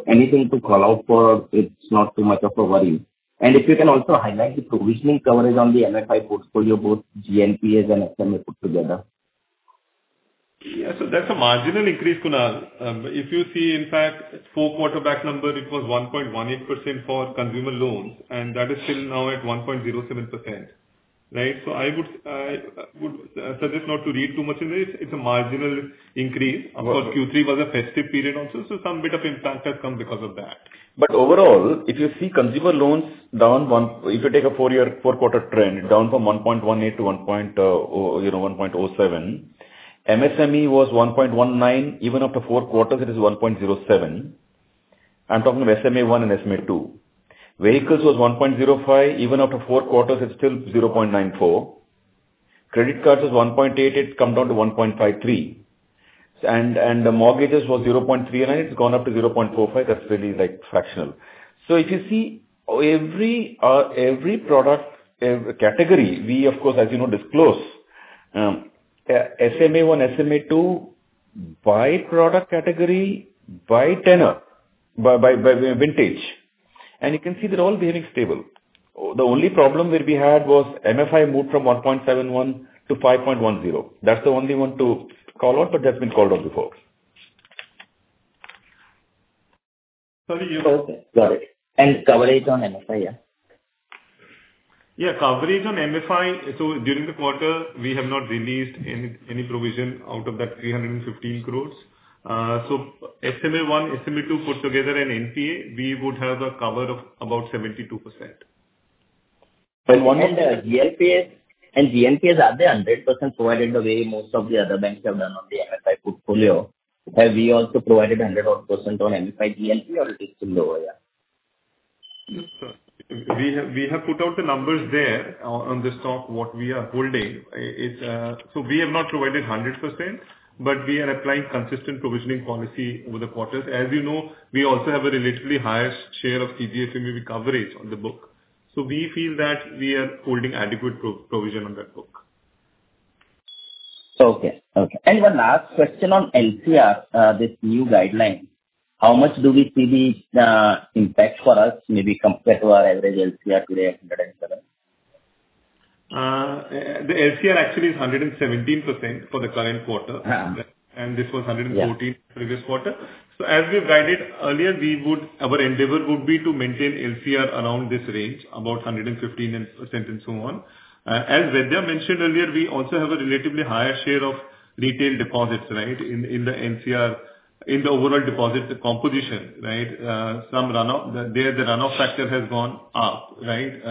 Anything to call out for, it's not too much of a worry. If you can also highlight the provisioning coverage on the MFI portfolio, both GNPA and SMA put together. Yeah. That's a marginal increase, Kunal. If you see, in fact, four-quarter-back number, it was 1.18% for consumer loans, and that is still now at 1.07%. Right? I would suggest not to read too much in this. It's a marginal increase. Of course, Q3 was a festive period also, so some bit of impact has come because of that. Overall, if you see consumer loans down, if you take a four-year four-quarter trend, down from 1.18% to 1.07%, MSME was 1.19%. Even after four quarters, it is 1.07%. I'm talking about SMA-1 and SMA-2. Vehicles was 1.05. Even after four quarters, it's still 0.94. Credit cards is 1.8. It's come down to 1.53. The mortgages was 0.39. It's gone up to 0.45. That's really fractional. If you see every product category, we, of course, as you know, disclose SMA-1, SMA-2 by product category, by tenor, by vintage. You can see they're all behaving stable. The only problem that we had was MFI moved from 1.71 to 5.10. That's the only one to call out, but that's been called out before. Sorry, you. Okay. Got it. Coverage on MFI, yeah? Yeah. Coverage on MFI. During the quarter, we have not released any provision out of that 315 crore. SMA-1, SMA-2 put together and NPA, we would have a cover of about 72%. GLPS? GLPS, are they 100% provided the way most of the other banks have done on the MFI portfolio? Have we also provided 100% on MFI GLP or it is still lower? Yeah. We have put out the numbers there on the stock, what we are holding. We have not provided 100%, but we are applying consistent provisioning policy over the quarters. As you know, we also have a relatively higher share of CGFMBB coverage on the book. We feel that we are holding adequate provision on that book. Okay. Okay. One last question on LCR, this new guideline. How much do we see the impact for us, maybe compared to our average LCR today at 107%? The LCR actually is 117% for the current quarter. This was 114% previous quarter. As we have guided earlier, our endeavor would be to maintain LCR around this range, about 115% and so on. As Vaidya mentioned earlier, we also have a relatively higher share of retail deposits, right, in the LCR, in the overall deposit composition, right? The runoff factor has gone up, right,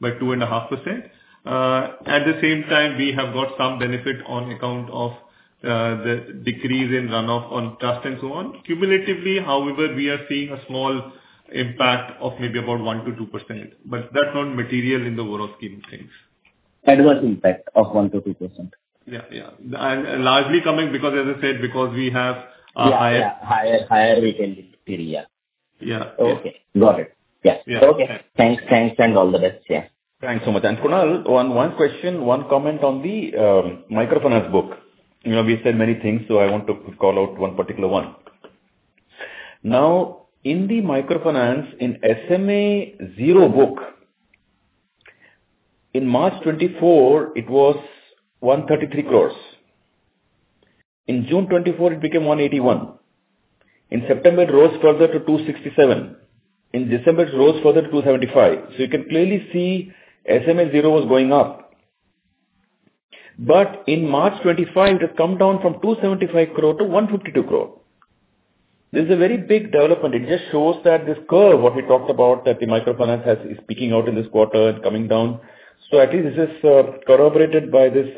by 2.5%. At the same time, we have got some benefit on account of the decrease in runoff on trust and so on. Cumulatively, however, we are seeing a small impact of maybe about 1-2%. That is not material in the overall scheme of things. Adverse impact of 1-2%. Yeah. Yeah. And largely coming because, as I said, because we have a higher retailing period. Yeah. Okay. Got it. Yeah. Okay. Thanks. Thanks. All the best. Yeah. Thanks so much. Kunal, one question, one comment on the microfinance book. We said many things, so I want to call out one particular one. Now, in the microfinance, in SMA-0 book, in March 2024, it was 133 crore. In June 2024, it became 181 crore. In September, it rose further to 267 crore. In December, it rose further to 275 crore. You can clearly see SMA-0 was going up. In March 2025, it has come down from 275 crore to 152 crore. This is a very big development. It just shows that this curve, what we talked about, that the microfinance is peaking out in this quarter and coming down. At least this is corroborated by this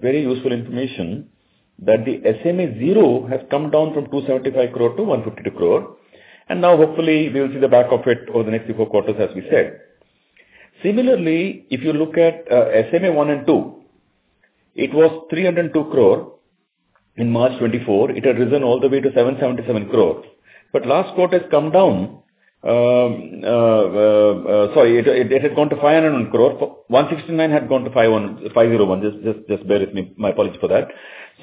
very useful information that the SMA-0 has come down from 275 crore to 152 crore. Hopefully, we will see the back of it over the next few quarters, as we said. Similarly, if you look at SMA-1 and 2, it was 302 crore in March 2024. It had risen all the way to 777 crore. Last quarter, it has come down. Sorry, it had gone to 501 crore. 169 had gone to 501. Just bear with me. My apologies for that.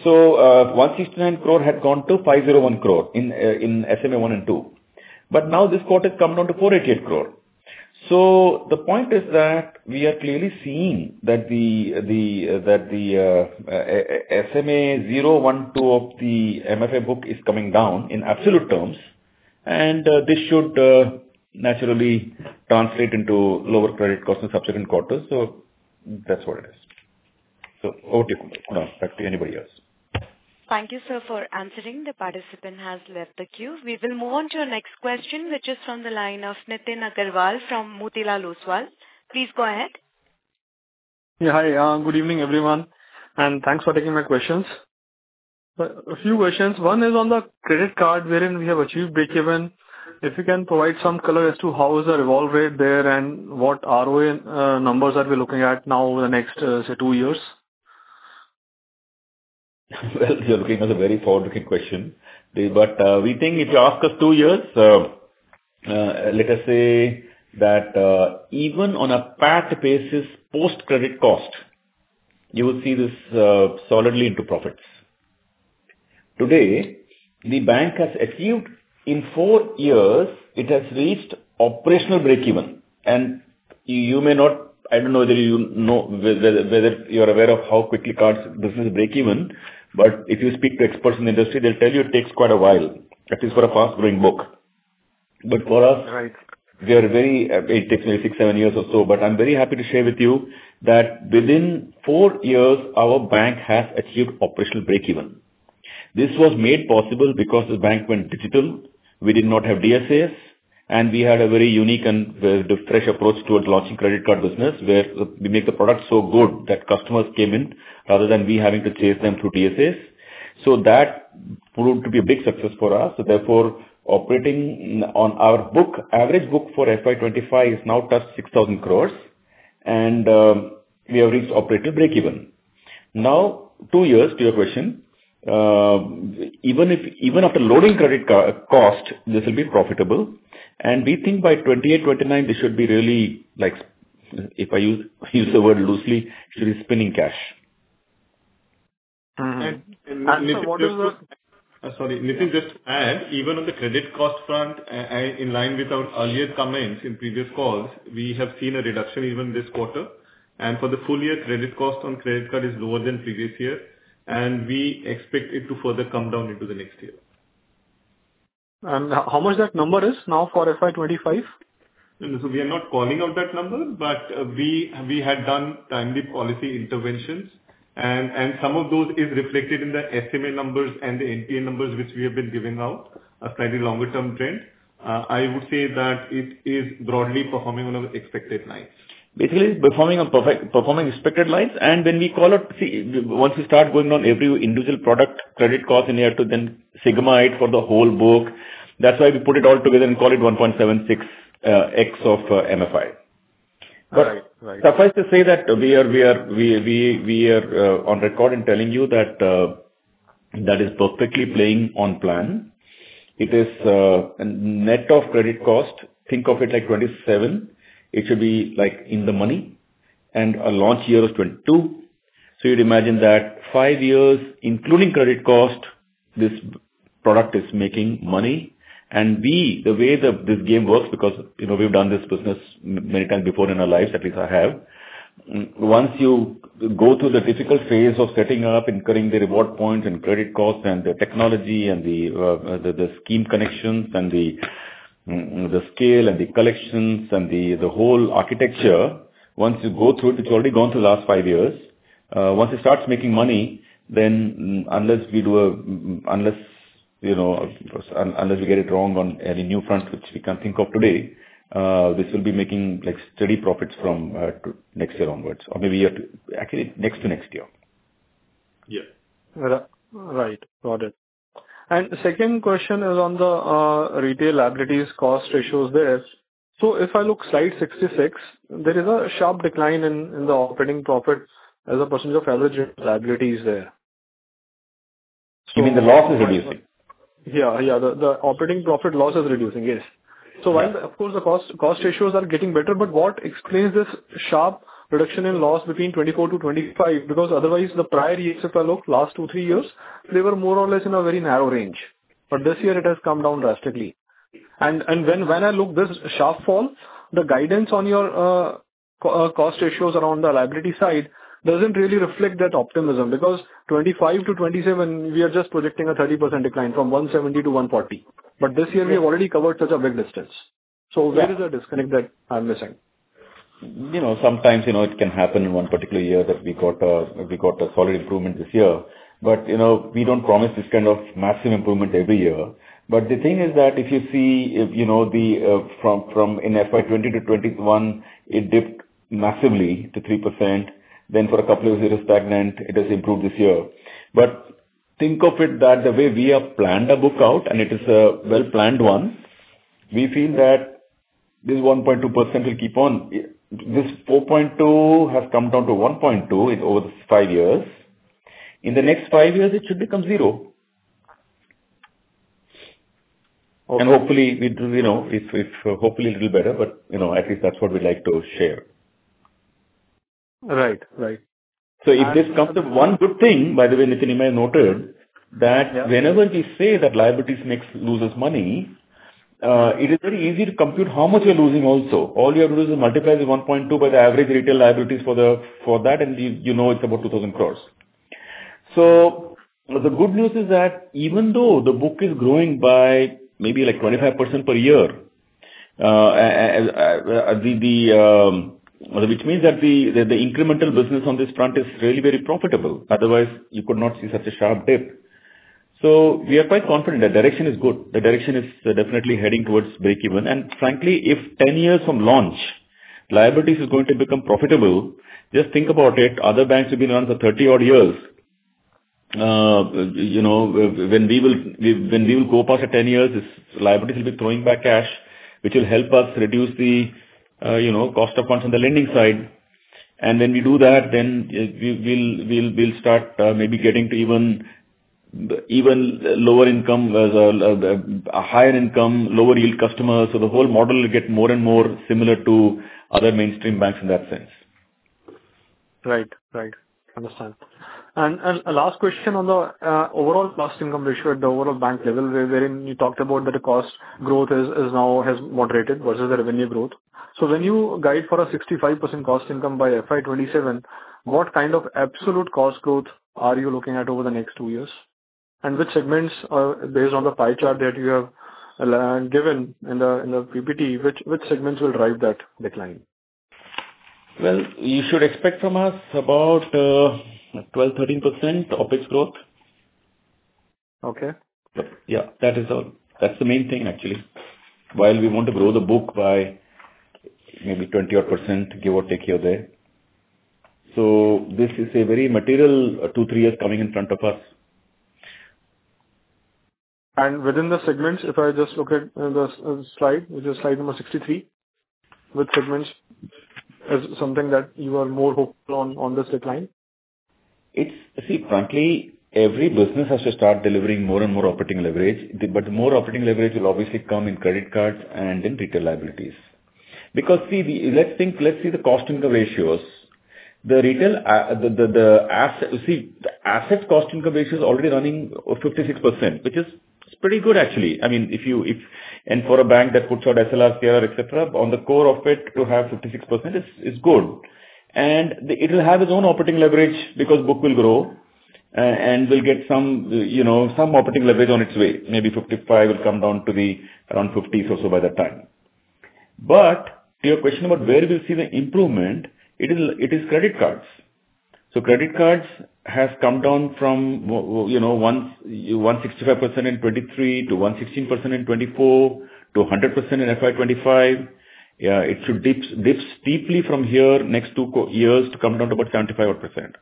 169 crore had gone to 501 crore in SMA-1 and 2. Now, this quarter has come down to 488 crore. The point is that we are clearly seeing that the SMA-0, 1, 2 of the microfinance book is coming down in absolute terms. This should naturally translate into lower credit costs in subsequent quarters. That is what it is. Over to you, Kunal. Back to anybody else. Thank you, sir, for answering. The participant has left the queue. We will move on to our next question, which is from the line of Nithin Agarwal from Motilal Oswal. Please go ahead. Yeah. Hi. Good evening, everyone. And thanks for taking my questions. A few questions. One is on the credit card wherein we have achieved breakeven. If you can provide some color as to how is the revolve rate there and what ROA numbers are we looking at now over the next, say, two years? You are looking at a very forward-looking question. If you ask us two years, let us say that even on a PAT basis, post-credit cost, you will see this solidly into profits. Today, the bank has achieved in four years, it has reached operational breakeven. You may not, I do not know whether you know, whether you are aware of how quickly cards business breakeven. If you speak to experts in the industry, they'll tell you it takes quite a while, at least for a fast-growing book. For us, it takes maybe six, seven years or so. I'm very happy to share with you that within four years, our bank has achieved operational breakeven. This was made possible because the bank went digital. We did not have DSAs. We had a very unique and fresh approach towards launching credit card business, where we made the product so good that customers came in rather than we having to chase them through DSAs. That proved to be a big success for us. Therefore, operating on our book, average book for FY2025 is now touched 6,000 crore. We have reached operational breakeven. Now, two years to your question, even after loading credit card cost, this will be profitable. We think by 2028, 2029, this should be really, if I use the word loosely, should be spinning cash. Nithin, just add, even on the credit cost front, in line with our earlier comments in previous calls, we have seen a reduction even this quarter. For the full year, credit cost on credit cards is lower than the previous year. We expect it to further come down into the next year. How much that number is now for FY2025? We are not calling out that number, but we had done timely policy interventions. Some of those are reflected in the SMA numbers and the NPA numbers, which we have been giving out, a slightly longer-term trend. I would say that it is broadly performing on our expected lines. Basically, performing on expected lines. When we call out, see, once we start going on every individual product credit cost in year two, then sigma it for the whole book. That is why we put it all together and call it 1.76x of MFI. Suffice to say that we are on record in telling you that that is perfectly playing on plan. It is a net of credit cost. Think of it like 27. It should be in the money. A launch year of 2022. You would imagine that five years, including credit cost, this product is making money. The way this game works, because we've done this business many times before in our lives, at least I have, once you go through the difficult phase of setting up and currying the reward points and credit costs and the technology and the scheme connections and the scale and the collections and the whole architecture, once you go through, it's already gone through the last five years. Once it starts making money, then unless we get it wrong on any new front, which we can't think of today, this will be making steady profits from next year onwards. Or maybe actually next to next year. Yeah. Right. Got it. The second question is on the retail liabilities cost ratios there. If I look at slide 66, there is a sharp decline in the operating profit as a percentage of average liabilities there. You mean the loss is reducing? Yeah. Yeah. The operating profit loss is reducing, yes. Of course, the cost ratios are getting better. What explains this sharp reduction in loss between 2024 to 2025? Otherwise, the prior years, if I look at the last two, three years, they were more or less in a very narrow range. This year, it has come down drastically. When I look at this sharp fall, the guidance on your cost ratios around the liability side does not really reflect that optimism. From 2025 to 2027, we are just projecting a 30% decline from 170 to 140. This year, we have already covered such a big distance. Where is the disconnect that I am missing? Sometimes it can happen in one particular year that we got a solid improvement this year. We do not promise this kind of massive improvement every year. The thing is that if you see from in FY2020 to 2021, it dipped massively to 3%. For a couple of years, it was stagnant. It has improved this year. Think of it that the way we have planned a book out, and it is a well-planned one, we feel that this 1.2% will keep on. This 4.2 has come down to 1.2 over the five years. In the next five years, it should become zero. Hopefully, we do, if hopefully a little better. At least that's what we'd like to share. Right. Right. If this comes to one good thing, by the way, Nithin Agarwal noted that whenever we say that liabilities makes losers money, it is very easy to compute how much you're losing also. All you have to do is multiply the 1.2 by the average retail liabilities for that, and you know it's about 2,000 crore. The good news is that even though the book is growing by maybe like 25% per year, which means that the incremental business on this front is really very profitable. Otherwise, you could not see such a sharp dip. We are quite confident that direction is good. The direction is definitely heading towards breakeven. Frankly, if 10 years from launch, liabilities is going to become profitable, just think about it. Other banks have been around for 30-odd years. When we will go past 10 years, liabilities will be throwing back cash, which will help us reduce the cost of funds on the lending side. When we do that, then we'll start maybe getting to even lower income as a higher income, lower yield customers. The whole model will get more and more similar to other mainstream banks in that sense. Right. Right. Understand. Last question on the overall cost income ratio at the overall bank level, wherein you talked about that the cost growth has moderated versus the revenue growth. When you guide for a 65% cost income by FY2027, what kind of absolute cost growth are you looking at over the next two years? Which segments, based on the pie chart that you have given in the PPT, which segments will drive that decline? You should expect from us about 12-13% OPEX growth. Okay. Yeah. That's the main thing, actually. While we want to grow the book by maybe 20-odd %, give or take here or there. This is a very material two, three years coming in front of us. Within the segments, if I just look at the slide, which is slide number 63, with segments, is it something that you are more hopeful on this decline? See, frankly, every business has to start delivering more and more operating leverage. More operating leverage will obviously come in credit cards and in retail liabilities. Because see, let's see the cost income ratios. The retail asset cost income ratio is already running 56%, which is pretty good, actually. I mean, and for a bank that puts out SLRs here, etc., on the core of it to have 56% is good. It will have its own operating leverage because book will grow and will get some operating leverage on its way. Maybe 55 will come down to the around 50s also by that time. To your question about where we'll see the improvement, it is credit cards. Credit cards has come down from 165% in 2023 to 116% in 2024 to 100% in FY2025. It should dip steeply from here next two years to come down to about 75-odd percent.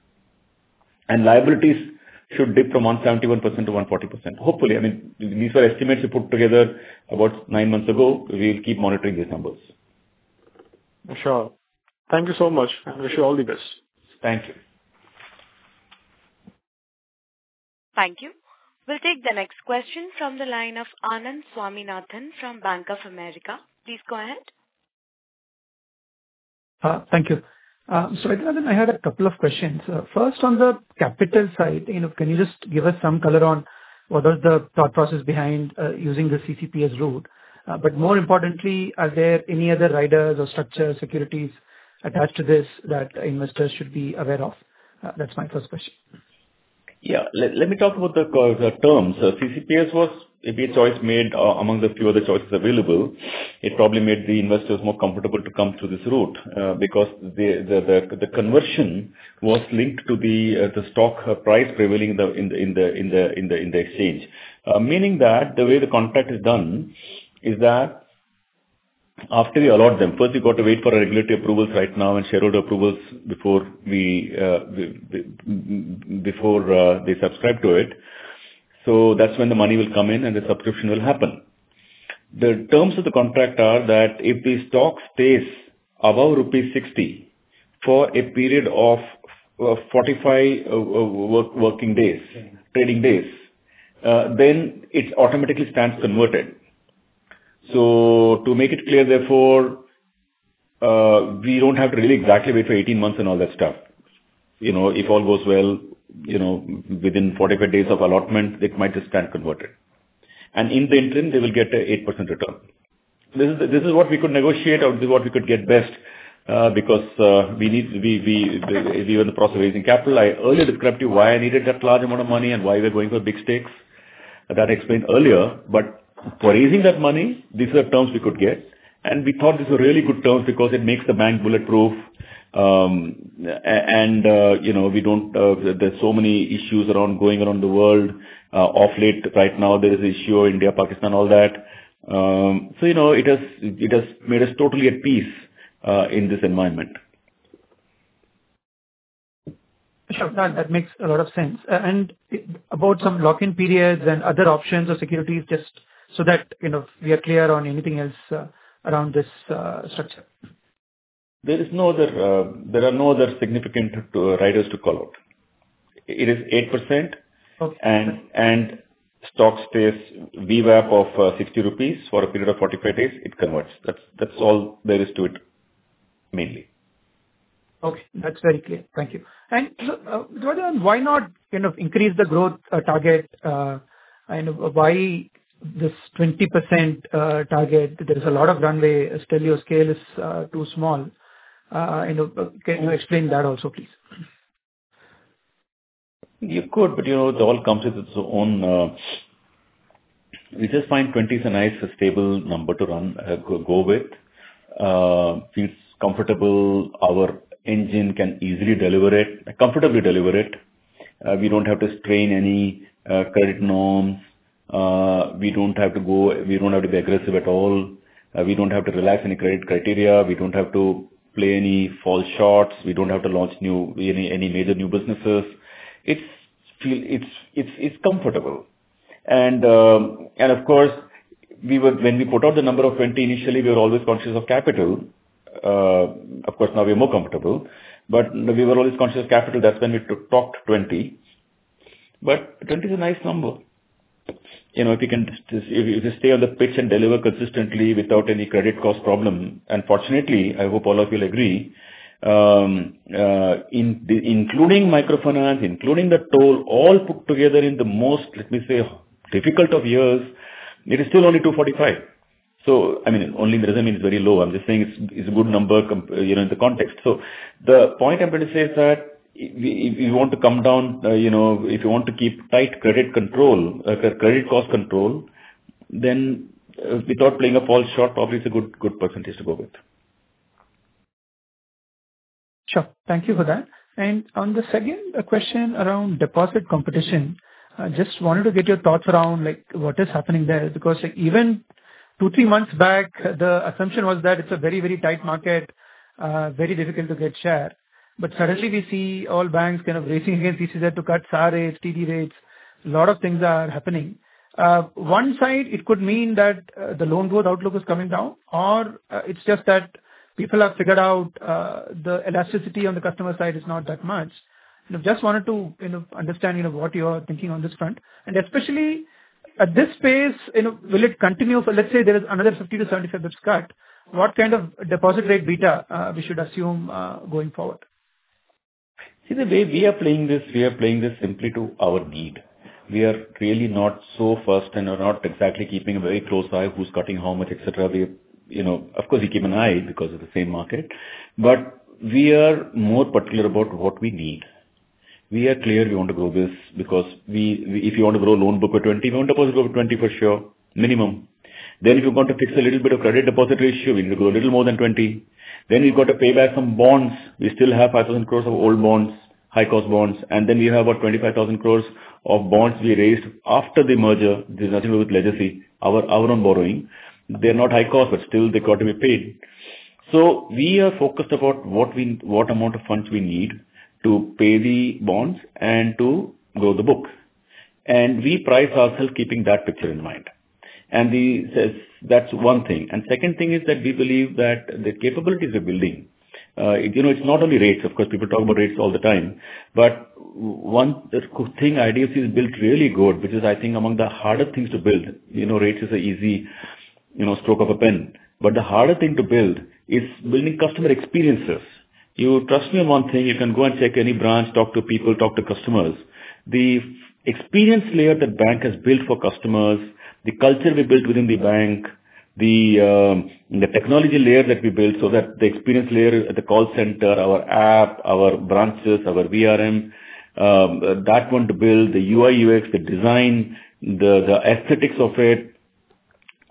Liabilities should dip from 171% to 140%. Hopefully, I mean, these were estimates we put together about nine months ago. We'll keep monitoring these numbers. Sure. Thank you so much. I wish you all the best. Thank you. Thank you. We'll take the next question from the line of Anand Swaminathan from Bank of America. Please go ahead. Thank you. I think I had a couple of questions. First, on the capital side, can you just give us some color on what was the thought process behind using the CCPS as route? More importantly, are there any other riders or structures, securities attached to this that investors should be aware of? That's my first question. Yeah. Let me talk about the terms. CCPS was maybe a choice made among the few other choices available. It probably made the investors more comfortable to come to this route because the conversion was linked to the stock price prevailing in the exchange. Meaning that the way the contract is done is that after we allowed them, first we have to wait for regulatory approvals right now and shareholder approvals before they subscribe to it. That's when the money will come in and the subscription will happen. The terms of the contract are that if the stock stays above rupees 60 for a period of 45 working days, trading days, then it automatically stands converted. To make it clear, therefore, we do not have to really exactly wait for 18 months and all that stuff. If all goes well, within 45 days of allotment, it might just stand converted. In the interim, they will get an 8% return. This is what we could negotiate or this is what we could get best because we were in the process of raising capital. I earlier described to you why I needed that large amount of money and why we are going for big stakes. That explained earlier. For raising that money, these are the terms we could get. We thought these were really good terms because it makes the bank bulletproof. There are so many issues going around the world. Off late right now, there is an issue in India, Pakistan, all that. It has made us totally at peace in this environment. Sure. That makes a lot of sense. About some lock-in periods and other options or securities, just so that we are clear on anything else around this structure. There are no other significant riders to call out. It is 8%. Stock stays VWAP of 60 rupees for a period of 45 days. It converts. That is all there is to it, mainly. Okay. That is very clear. Thank you. Why not increase the growth target? Why this 20% target? There is a lot of runway. Stellio scale is too small. Can you explain that also, please? You could, but it all comes with its own. We just find 20 is a nice, stable number to go with. It's comfortable. Our engine can easily deliver it, comfortably deliver it. We don't have to strain any credit norms. We don't have to be aggressive at all. We don't have to relax any credit criteria. We don't have to play any false shots. We don't have to launch any major new businesses. It's comfortable. Of course, when we put out the number of 20 initially, we were always conscious of capital. Of course, now we are more comfortable. We were always conscious of capital. That's when we talked 20. 20 is a nice number. If you can just stay on the pitch and deliver consistently without any credit cost problem, unfortunately, I hope all of you will agree, including microfinance, including the toll, all put together in the most, let me say, difficult of years, it is still only 245. I mean, only the reason is very low. I'm just saying it's a good number in the context. The point I'm going to say is that if you want to come down, if you want to keep tight credit control, credit cost control, then without playing a false shot, probably it's a good percentage to go with. Sure. Thank you for that. On the second question around deposit competition, just wanted to get your thoughts around what is happening there. Because even two, three months back, the assumption was that it's a very, very tight market, very difficult to get share. Suddenly we see all banks kind of racing against ECZ to cut SAR rates, TD rates. A lot of things are happening. One side, it could mean that the loan growth outlook is coming down, or it's just that people have figured out the elasticity on the customer side is not that much. Just wanted to understand what you are thinking on this front. Especially at this pace, will it continue? Let's say there is another 50-75 basis points cut. What kind of deposit rate beta should we assume going forward? See, the way we are playing this, we are playing this simply to our need. We are really not so first and are not exactly keeping a very close eye on who's cutting how much, etc. Of course, we keep an eye because of the same market. We are more particular about what we need. We are clear we want to grow this because if you want to grow loan book by 20, we want deposit book by 20 for sure, minimum. If you want to fix a little bit of credit deposit ratio, we need to grow a little more than 20. We have to pay back some bonds. We still have 5,000 crore of old bonds, high-cost bonds. We have about 25,000 crore of bonds we raised after the merger. There is nothing to do with legacy, our own borrowing. They are not high-cost, but still they have to be paid. We are focused about what amount of funds we need to pay the bonds and to grow the book. We price ourselves keeping that picture in mind. That is one thing. The second thing is that we believe that the capabilities we are building, it is not only rates. Of course, people talk about rates all the time. One thing IDFC First Bank has built really good, which is I think among the harder things to build. Rates is an easy stroke of a pen. The harder thing to build is building customer experiences. You trust me on one thing. You can go and check any branch, talk to people, talk to customers. The experience layer that bank has built for customers, the culture we built within the bank, the technology layer that we built so that the experience layer at the call center, our app, our branches, our VRM, that one to build, the UI, UX, the design, the aesthetics of it,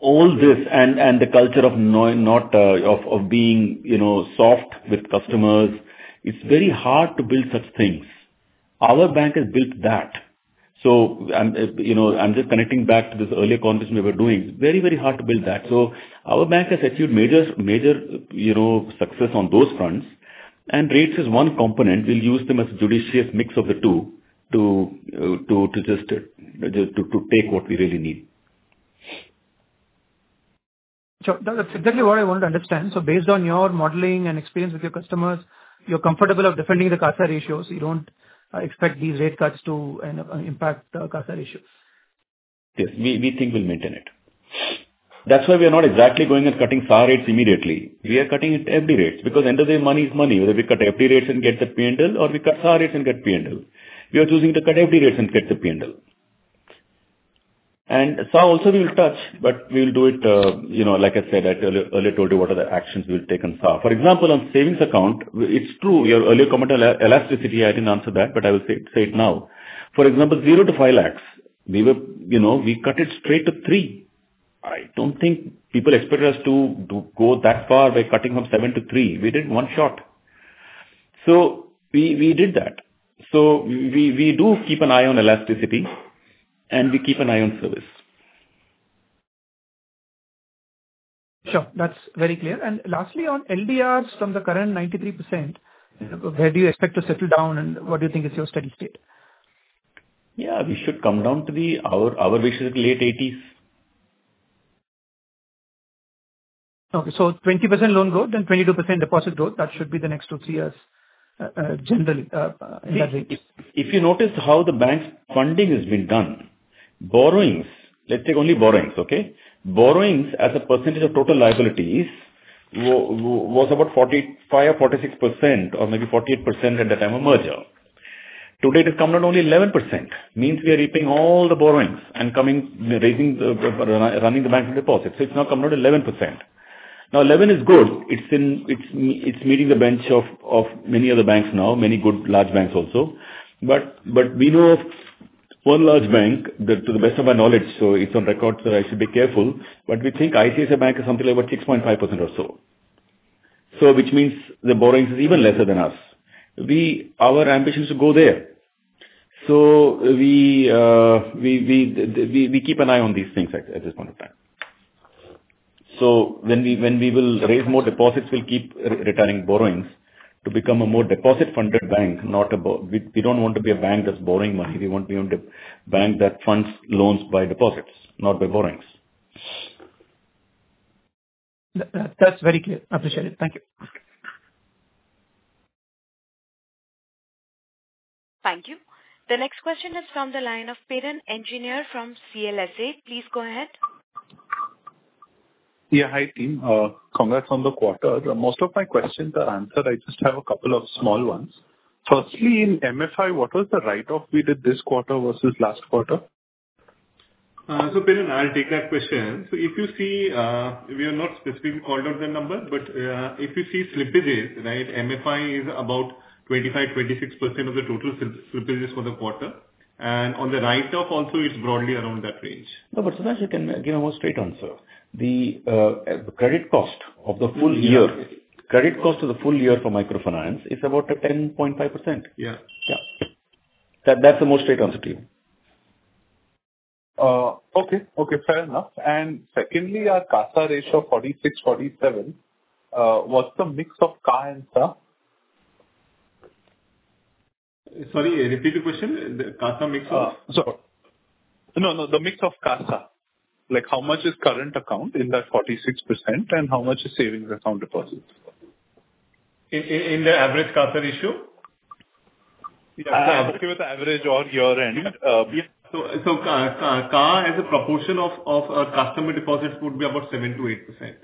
all this, and the culture of being soft with customers, it's very hard to build such things. Our bank has built that. I am just connecting back to this earlier conversation we were doing. It's very, very hard to build that. Our bank has achieved major success on those fronts. Rates is one component. We'll use them as a judicious mix of the two to just take what we really need. Sure. That's exactly what I wanted to understand. Based on your modeling and experience with your customers, you're comfortable with defending the CASA ratios. You don't expect these rate cuts to impact CASA ratios. Yes. We think we'll maintain it. That's why we are not exactly going and cutting SAR rates immediately. We are cutting it every rate. Because end of the day, money is money. Whether we cut every rate and get the P&L, or we cut SAR rates and get P&L. We are choosing to cut every rate and get the P&L. SAR also we will touch, but we will do it, like I said, I earlier told you what are the actions we will take on SAR. For example, on savings account, it is true. Your earlier comment on elasticity, I did not answer that, but I will say it now. For example, 0-5 lakh, we cut it straight to 3. I do not think people expect us to go that far by cutting from 7 to 3. We did one shot. We did that. We do keep an eye on elasticity, and we keep an eye on service. Sure. That is very clear. Lastly, on LDRs from the current 93%, where do you expect to settle down, and what do you think is your steady state? Yeah. We should come down to our wishes at late 80s. Okay. 20% loan growth and 22% deposit growth. That should be the next two, three years, generally, in that range. If you notice how the bank's funding has been done, borrowings, let's take only borrowings, okay? Borrowings as a percentage of total liabilities was about 45% or 46%, or maybe 48% at the time of merger. Today, it has come down to only 11%. Means we are reaping all the borrowings and running the bank from deposits. It has now come down to 11%. Now, 11% is good. It is meeting the bench of many other banks now, many good large banks also. We know one large bank, to the best of my knowledge, so it is on record, so I should be careful. We think ICICI Bank is something like about 6.5% or so, which means the borrowings are even lesser than us. Our ambition is to go there. We keep an eye on these things at this point of time. When we will raise more deposits, we'll keep returning borrowings to become a more deposit-funded bank. We don't want to be a bank that's borrowing money. We want to be a bank that funds loans by deposits, not by borrowings. That's very clear. Appreciate it. Thank you. Thank you. The next question is from the line of Payroll Engineer from CLSA. Please go ahead. Yeah. Hi, team. Congrats on the quarter. Most of my questions are answered. I just have a couple of small ones. Firstly, in MFI, what was the write-off we did this quarter versus last quarter? Payroll, I'll take that question. If you see, we have not specifically called out the number, but if you see slippages, right, MFI is about 25-26% of the total slippages for the quarter. On the write-off also, it's broadly around that range. No, but so that you can give a more straight answer. The credit cost of the full year, credit cost of the full year for microfinance is about 10.5%. Yeah. That's the most straight answer to you. Okay. Okay. Fair enough. Secondly, our CASA ratio of 46-47, what's the mix of CA and SA? Sorry, repeat the question. The CASA mix of? Sorry. No, no. The mix of CASA. How much is current account in that 46%, and how much is savings account deposits? In the average CASA ratio? Yeah. I'll give you the average on your end. CA as a proportion of our customer deposits would be about 7-8%.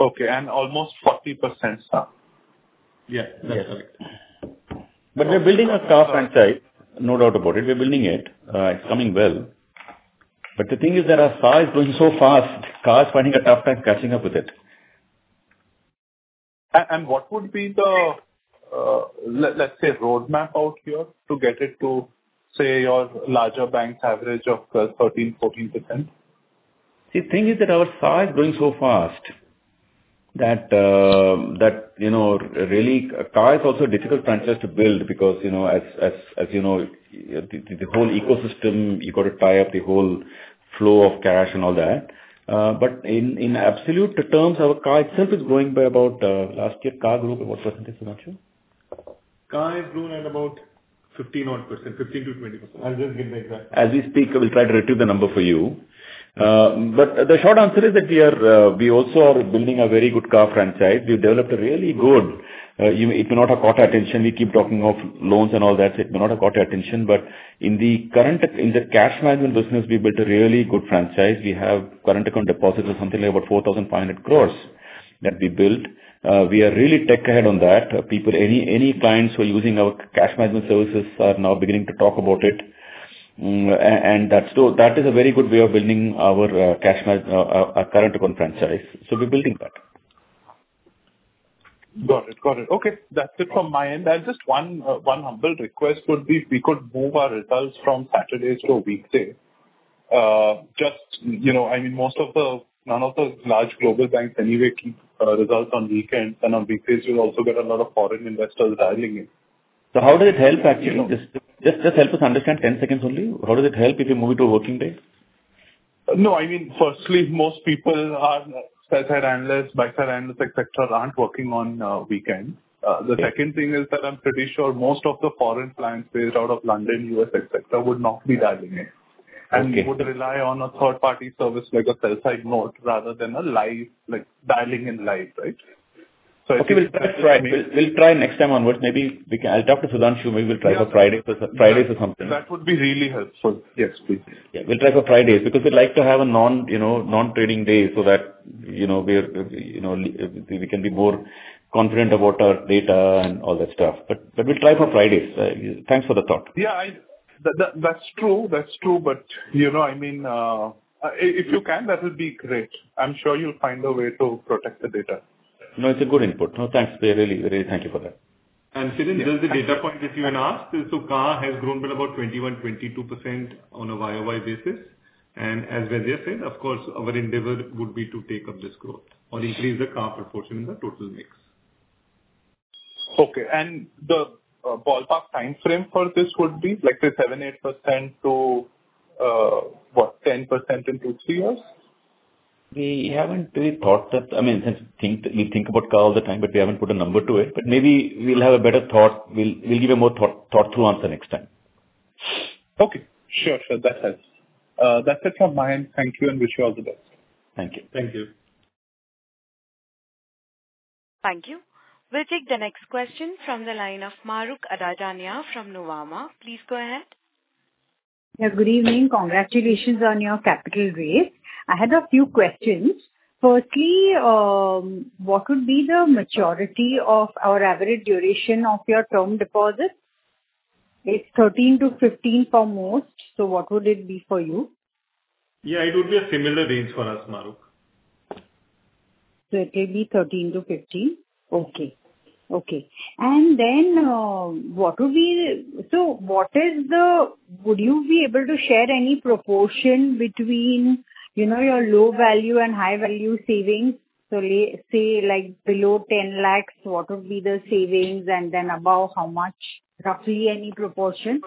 Okay. And almost 40% SA? Yes. That's correct. We're building a SA franchise. No doubt about it. We're building it. It's coming well. The thing is that our SAR is going so fast, CA is finding a tough time catching up with it. What would be the, let's say, roadmap out here to get it to, say, your larger bank's average of 13-14%? The thing is that our SAR is going so fast that really, CA is also a difficult franchise to build because, as you know, the whole ecosystem, you got to tie up the whole flow of cash and all that. In absolute terms, our CA itself is growing by about last year, CA Group, what percentage amount to? CA is growing at about 15-20%. I'll just give the exact. As we speak, I will try to retrieve the number for you. The short answer is that we also are building a very good CA franchise. We've developed a really good—it may not have caught your attention. We keep talking of loans and all that. It may not have caught your attention. In the cash management business, we built a really good franchise. We have current account deposits of something like about 4,500 crore that we built. We are really tech ahead on that. Any clients who are using our cash management services are now beginning to talk about it. That is a very good way of building our current account franchise. We're building that. Got it. Got it. Okay. That's it from my end. Just one humble request would be if we could move our results from Saturdays to a weekday. I mean, most of the—none of the large global banks anyway keep results on weekends. On weekdays, you'll also get a lot of foreign investors dialing in. How does it help, actually? Just help us understand, 10 seconds only. How does it help if you move it to a working day? I mean, firstly, most people are sell-side analysts, buy-side analysts, etc., are not working on weekends. The second thing is that I am pretty sure most of the foreign clients based out of London, US, etc., would not be dialing in and would rely on a third-party service like a sell-side note rather than dialing in live, right? I think we will try. That is right. We will try next time onwards. Maybe we can—I will talk to Sudhanshu. Maybe we will try for Fridays or something. That would be really helpful. Yes, please. Yeah. We will try for Fridays because we would like to have a non-trading day so that we can be more confident about our data and all that stuff. We will try for Fridays. Thanks for the thought. Yeah. That's true. That's true. I mean, if you can, that would be great. I'm sure you'll find a way to protect the data. No, it's a good input. No, thanks. Really, really thank you for that. Payroll, this is the data point that you had asked. CA has grown by about 21-22% on a year-over-year basis. As Vazir said, of course, our endeavor would be to take up this growth or increase the CA proportion in the total mix. Okay. The ballpark time frame for this would be like 7-8% to, what, 10% in two-three years? We haven't really thought that. I mean, we think about CA all the time, but we haven't put a number to it. Maybe we'll have a better thought. We'll give a more thoughtful answer next time. Okay. Sure. Sure. That helps. That's it from my end. Thank you and wish you all the best. Thank you. Thank you. Thank you. We'll take the next question from the line of Maaruk Adajania from Nomura. Please go ahead. Yeah. Good evening. Congratulations on your capital raise. I had a few questions. Firstly, what would be the maturity or average duration of your term deposit? It's 13-15 for most. What would it be for you? Yeah. It would be a similar range for us, Maaruk. It will be 13-15. Okay. Okay. What would be—what is the—would you be able to share any proportion between your low value and high value savings? Say below 1,000,000, what would be the savings? And above, how much? Roughly any proportion?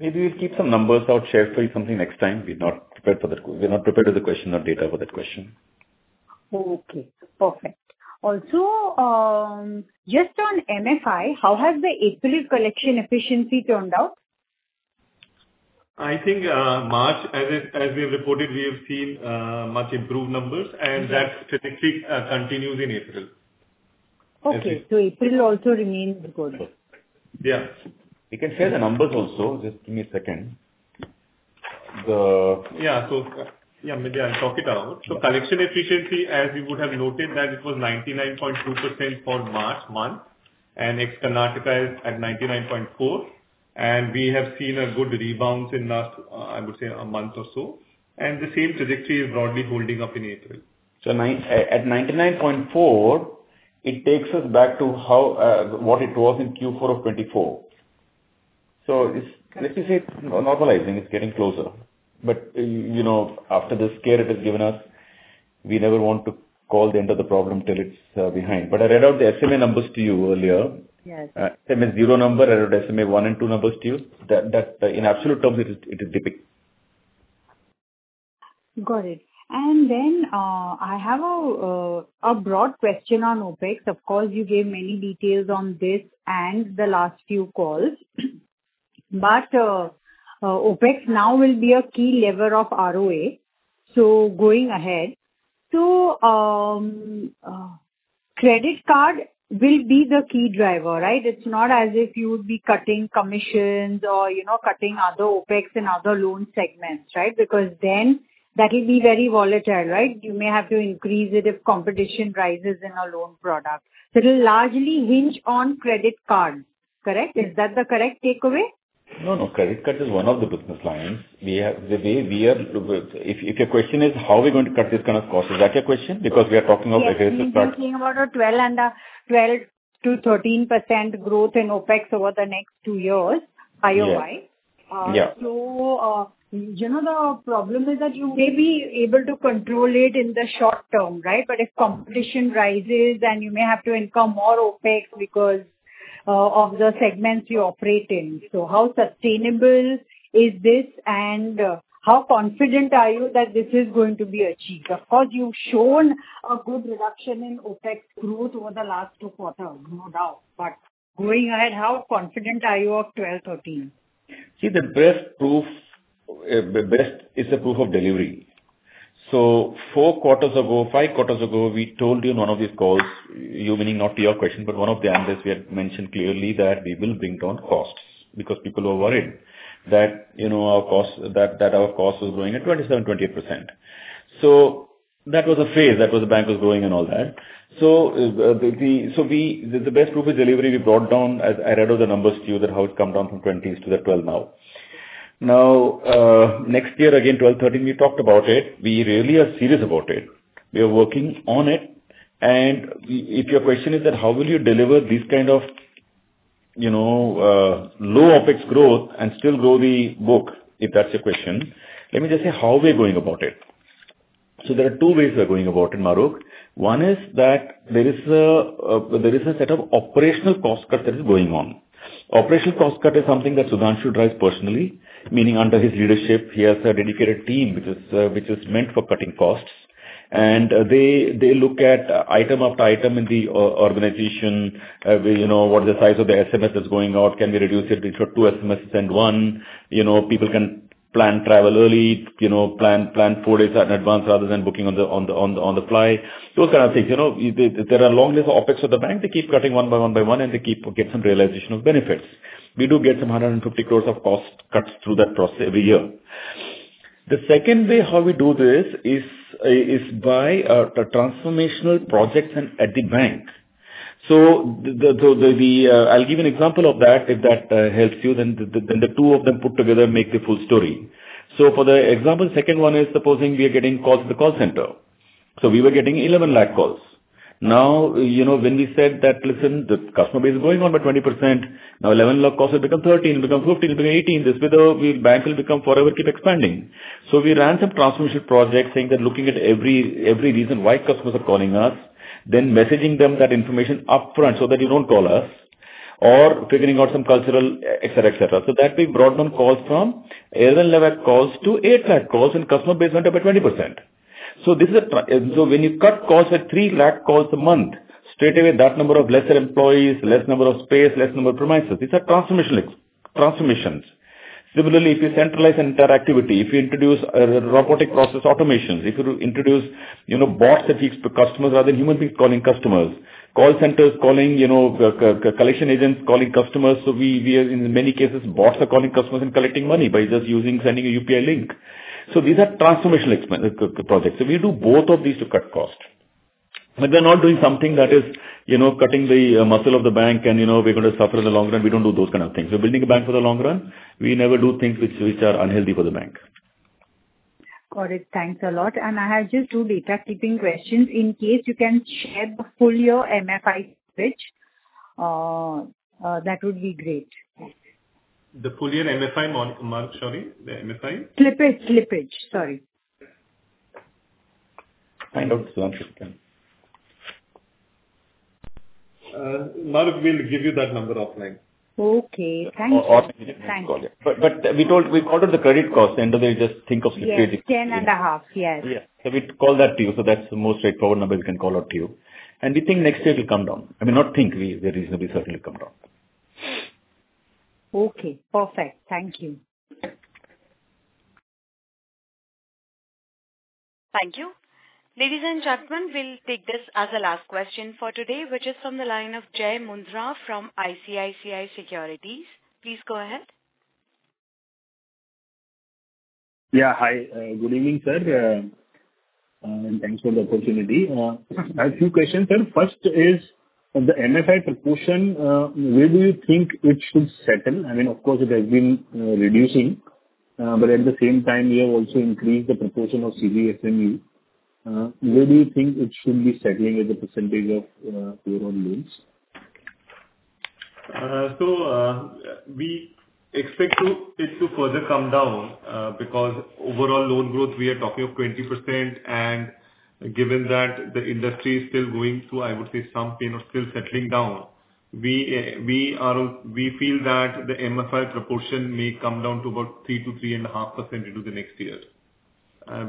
Maybe we'll keep some numbers out shared for you something next time. We're not prepared for that. We're not prepared with the question or data for that question. Okay. Perfect. Also, just on MFI, how has the April collection efficiency turned out? I think March, as we have reported, we have seen much improved numbers. That statistic continues in April. Okay. April also remains good. Yeah. We can share the numbers also. Just give me a second. Yeah. Maybe I'll talk it out. Collection efficiency, as we would have noted, it was 99.2% for March month. Ex-Karnataka is at 99.4%. We have seen a good rebound in the last, I would say, a month or so. The same trajectory is broadly holding up in April. At 99.4%, it takes us back to what it was in Q4 of 2024. Let's just say it's normalizing. It's getting closer. After the scare it has given us, we never want to call the end of the problem till it's behind. I read out the SMA numbers to you earlier. SMA zero number, I read out SMA one and two numbers to you. In absolute terms, it is dipping. Got it. I have a broad question on OPEX. Of course, you gave many details on this and the last few calls. OPEX now will be a key lever of ROA. Going ahead, credit card will be the key driver, right? It's not as if you would be cutting commissions or cutting other OPEX in other loan segments, right? Because that will be very volatile, right? You may have to increase it if competition rises in a loan product. It will largely hinge on credit cards, correct? Is that the correct takeaway? No, no. Credit card is one of the business lines. If your question is, how are we going to cut this kind of cost? Is that your question? Because we are talking of regressive card. You are thinking about a 12-13% growth in OPEX over the next two years, year over year? Yeah. The problem is that you may be able to control it in the short term, right? If competition rises, then you may have to incur more OPEX because of the segments you operate in. How sustainable is this? How confident are you that this is going to be achieved? Of course, you have shown a good reduction in OPEX growth over the last two quarters, no doubt. Going ahead, how confident are you of 12-13%? See, the best proof is the proof of delivery. Four quarters ago, five quarters ago, we told you in one of these calls, you meaning not to your question, but one of the analysts, we had mentioned clearly that we will bring down costs because people were worried that our cost was growing at 27%, 28%. That was a phase that the bank was growing and all that. The best proof of delivery, we brought down, as I read out the numbers to you, that how it has come down from 20s to the 12 now. Next year, again, 12-13, we talked about it. We really are serious about it. We are working on it. If your question is that how will you deliver this kind of low OPEX growth and still grow the book, if that is your question, let me just say how we are going about it. There are two ways we're going about it, Maaruk. One is that there is a set of operational cost cuts that are going on. Operational cost cut is something that Sudhanshu drives personally, meaning under his leadership, he has a dedicated team which is meant for cutting costs. They look at item after item in the organization, what the size of the SMS is going out, can we reduce it to two SMSs and one, people can plan travel early, plan four days in advance rather than booking on the fly, those kind of things. There are long lists of OPEX for the bank. They keep cutting one by one by one, and they keep getting some realization of benefits. We do get some 150 crore of cost cuts through that process every year. The second way how we do this is by transformational projects at the bank. I'll give you an example of that if that helps you. The two of them put together make the full story. For the example, the second one is supposing we are getting calls at the call center. We were getting 1.1 million calls. Now, when we said that, "Listen, the customer base is going up by 20%, now 1.1 million calls will become 1.3 million, become 1.5 million, become 1.8 million, this way the bank will forever keep expanding." We ran some transformation projects, looking at every reason why customers are calling us, then messaging them that information upfront so that you do not call us, or figuring out some cultural, etc., etc. We brought down calls from 1.1 million calls to 800,000 calls when the customer base went up by 20%. When you cut calls at 300,000 calls a month, straight away that number of lesser employees, less number of space, less number of premises. These are transformations. Similarly, if you centralize an entire activity, if you introduce robotic process automations, if you introduce bots that speak to customers rather than human beings calling customers, call centers calling collection agents calling customers. In many cases, bots are calling customers and collecting money by just sending a UPI link. These are transformational projects. We do both of these to cut cost. We are not doing something that is cutting the muscle of the bank and we are going to suffer in the long run. We do not do those kind of things. We are building a bank for the long run. We never do things which are unhealthy for the bank. Got it. Thanks a lot. I had just two data keeping questions. In case you can share the full year MFI pitch, that would be great. The full year MFI, sorry? The MFI? Slippage. Slippage. Sorry. Find out Sudhanshu's account. Maaruk will give you that number offline. Okay. Thanks for the call. We called out the credit cost. End of the day, just think of slippage. Yeah. 10 and a half. Yes. Yeah. We would call that to you. That is the most straightforward number we can call out to you. We think next year it will come down. I mean, not think. We reasonably certainly come down. Okay. Perfect. Thank you. Thank you. Ladies and gentlemen, we will take this as a last question for today, which is from the line of Jay Mundra from ICICI Securities. Please go ahead. Yeah. Hi. Good evening, sir. Thank you for the opportunity. I have a few questions, sir. First is the MFI proportion, where do you think it should settle? I mean, of course, it has been reducing. At the same time, we have also increased the proportion of CVSMU. Where do you think it should be settling as a percentage of overall loans? We expect it to further come down because overall loan growth, we are talking of 20%. Given that the industry is still going through, I would say, some pain or still settling down, we feel that the MFI proportion may come down to about 3-3.5% into the next year.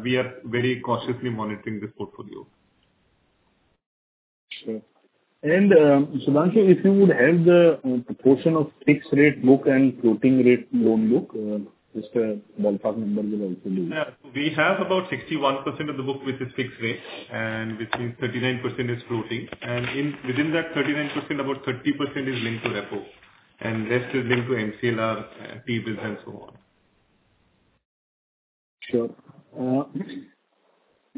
We are very cautiously monitoring this portfolio. Sure. Sudhanshu, if you would have the proportion of fixed rate book and floating rate loan book, just a ballpark number will also do. Yeah. We have about 61% of the book which is fixed rate. We see 39% is floating. Within that 39%, about 30% is linked to repo. The rest is linked to MCLR, TBIZ, and so on. Sure. Sir,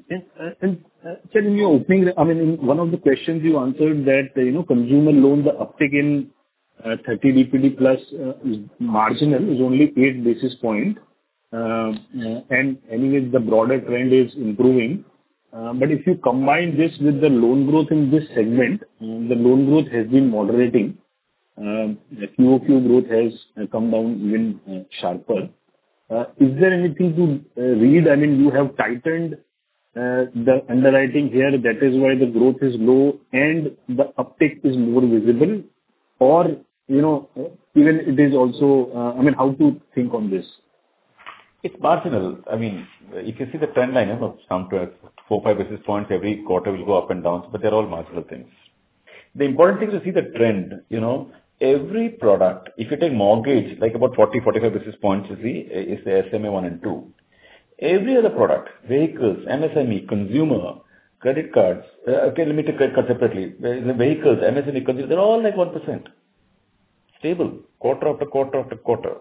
in your opening, I mean, one of the questions you answered that consumer loan, the uptake in 30 BPD plus marginal is only 8 basis points. Anyways, the broader trend is improving. If you combine this with the loan growth in this segment, the loan growth has been moderating. QOQ growth has come down even sharper. Is there anything to read? I mean, you have tightened the underwriting here. That is why the growth is low and the uptake is more visible. Even it is also, I mean, how to think on this? It's marginal. I mean, if you see the trend line, it's come to 4-5 basis points every quarter will go up and down. But they're all marginal things. The important thing to see the trend, every product, if you take mortgage, like about 40-45 basis points you see, it's the SMA one and two. Every other product, vehicles, MSME, consumer, credit cards, okay, let me take credit cards separately. The vehicles, MSME, consumer, they're all like 1%. Stable. Quarter after quarter after quarter.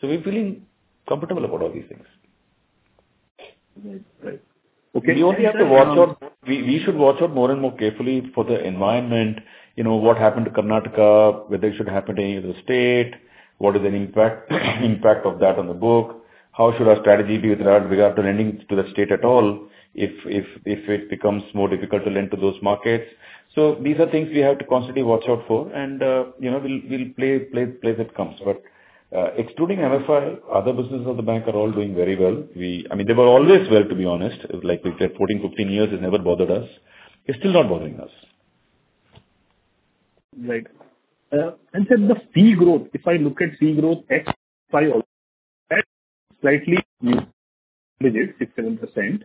So we're feeling comfortable about all these things. We only have to watch out. We should watch out more and more carefully for the environment. What happened to Karnataka? Whether it should happen to any other state? What is the impact of that on the book? How should our strategy be with regard to lending to the state at all if it becomes more difficult to lend to those markets? These are things we have to constantly watch out for. We will play as it comes. Excluding MFI, other businesses of the bank are all doing very well. I mean, they were always well, to be honest. Like we said, 14, 15 years has never bothered us. It is still not bothering us. Right. Sir, the fee growth, if I look at fee growth XY, that is slightly negligent, 6-7%.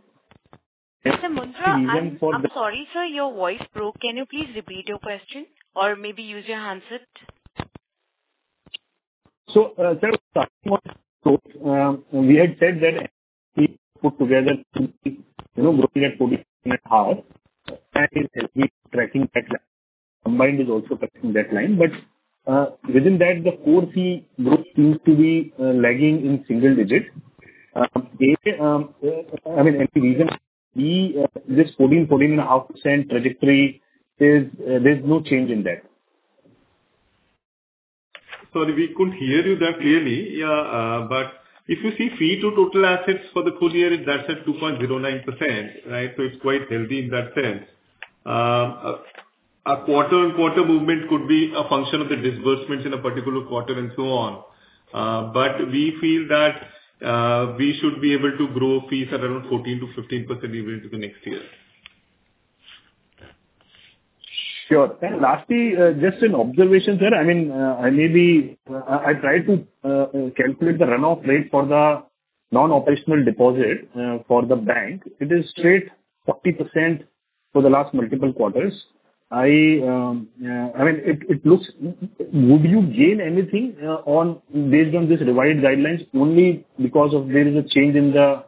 Mr. Mundra, I am sorry, sir, your voice broke. Can you please repeat your question? Or maybe use your hands if— Sir, talking about growth, we had said that we put together growth at 14 and a half. It is tracking that line. Combined is also tracking that line. Within that, the core fee growth seems to be lagging in single digit. I mean, any reason? This 14-14.5% trajectory, there is no change in that. Sorry, we could not hear you that clearly. Yeah. If you see fee to total assets for the full year, that is at 2.09%, right? It is quite healthy in that sense. A quarter-on-quarter movement could be a function of the disbursements in a particular quarter and so on. We feel that we should be able to grow fees at around 14-15% even into the next year. Sure. Lastly, just an observation, sir. I mean, I tried to calculate the runoff rate for the non-operational deposit for the bank. It is straight 40% for the last multiple quarters. I mean, it looks—would you gain anything based on these revised guidelines only because there is a change in the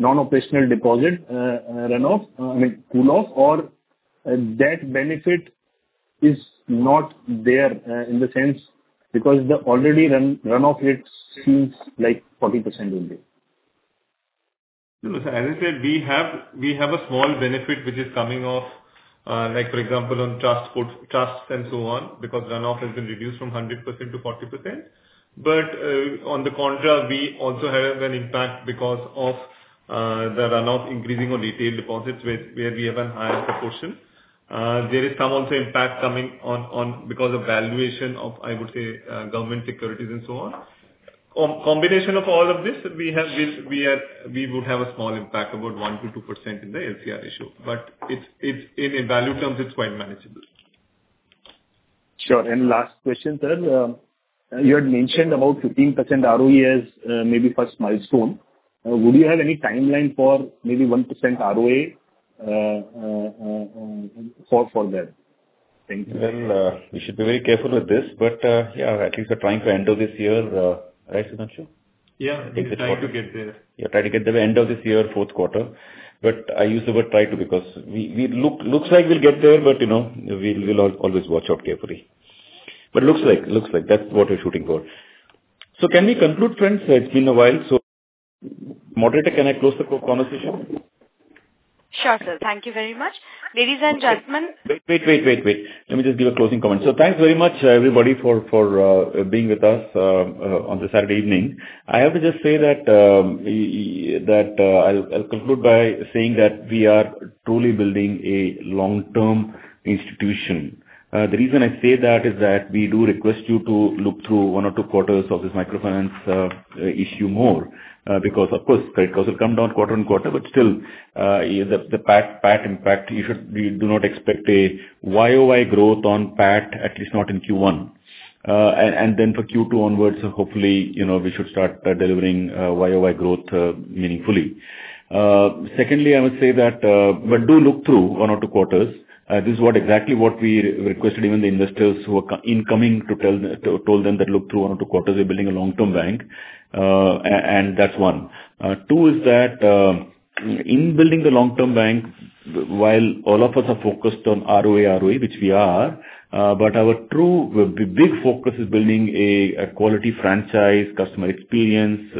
non-operational deposit runoff, I mean, cool-off, or that benefit is not there in the sense because the already runoff rate seems like 40% only? As I said, we have a small benefit which is coming off, for example, on trusts and so on, because runoff has been reduced from 100% to 40%. On the contrary, we also have an impact because of the runoff increasing on retail deposits where we have a higher proportion. There is some also impact coming on because of valuation of, I would say, government securities and so on. Combination of all of this, we would have a small impact, about 1-2% in the LCR issue. In value terms, it's quite manageable. Sure. Last question, sir. You had mentioned about 15% ROE as maybe first milestone. Would you have any timeline for maybe 1% ROE for that? Thank you. We should be very careful with this. Yeah, at least we're trying for end of this year, right, Sudhanshu? Yeah. We're trying to get there. Yeah. Try to get there by end of this year, fourth quarter. I use the word try to because it looks like we'll get there, but we'll always watch out carefully. Looks like, looks like. That's what we're shooting for. Can we conclude, friends? It's been a while. Maaruk, can I close the conversation? Sure, sir. Thank you very much. Ladies and gentlemen, wait, wait, wait, wait. Let me just give a closing comment. Thanks very much, everybody, for being with us on this Saturday evening. I have to just say that I'll conclude by saying that we are truly building a long-term institution. The reason I say that is that we do request you to look through one or two quarters of this microfinance issue more because, of course, credit costs will come down quarter on quarter. Still, the PAT impact, you do not expect a Yoy growth on PAT, at least not in Q1. For Q2 onwards, hopefully, we should start delivering Yoy growth meaningfully. Secondly, I would say that, do look through one or two quarters. This is exactly what we requested even the investors who were incoming to told them that look through one or two quarters. We are building a long-term bank. That is one. Two is that in building the long-term bank, while all of us are focused on ROE, ROE, which we are, but our true big focus is building a quality franchise, customer experience,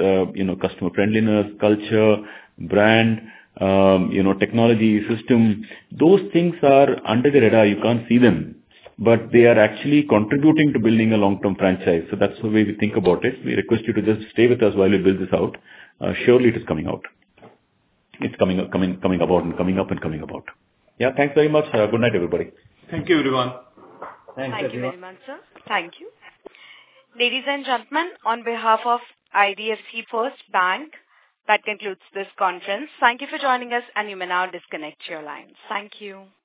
customer friendliness, culture, brand, technology, system. Those things are under the radar. You can't see them. But they are actually contributing to building a long-term franchise. That is the way we think about it. We request you to just stay with us while we build this out. Surely, it is coming out. It's coming about and coming up and coming about. Yeah. Thanks very much. Good night, everybody. Thank you, everyone. Thank you. Thank you very much, sir. Thank you. Ladies and gentlemen, on behalf of IDFC First Bank, that concludes this conference. Thank you for joining us, and you may now disconnect your lines. Thank you.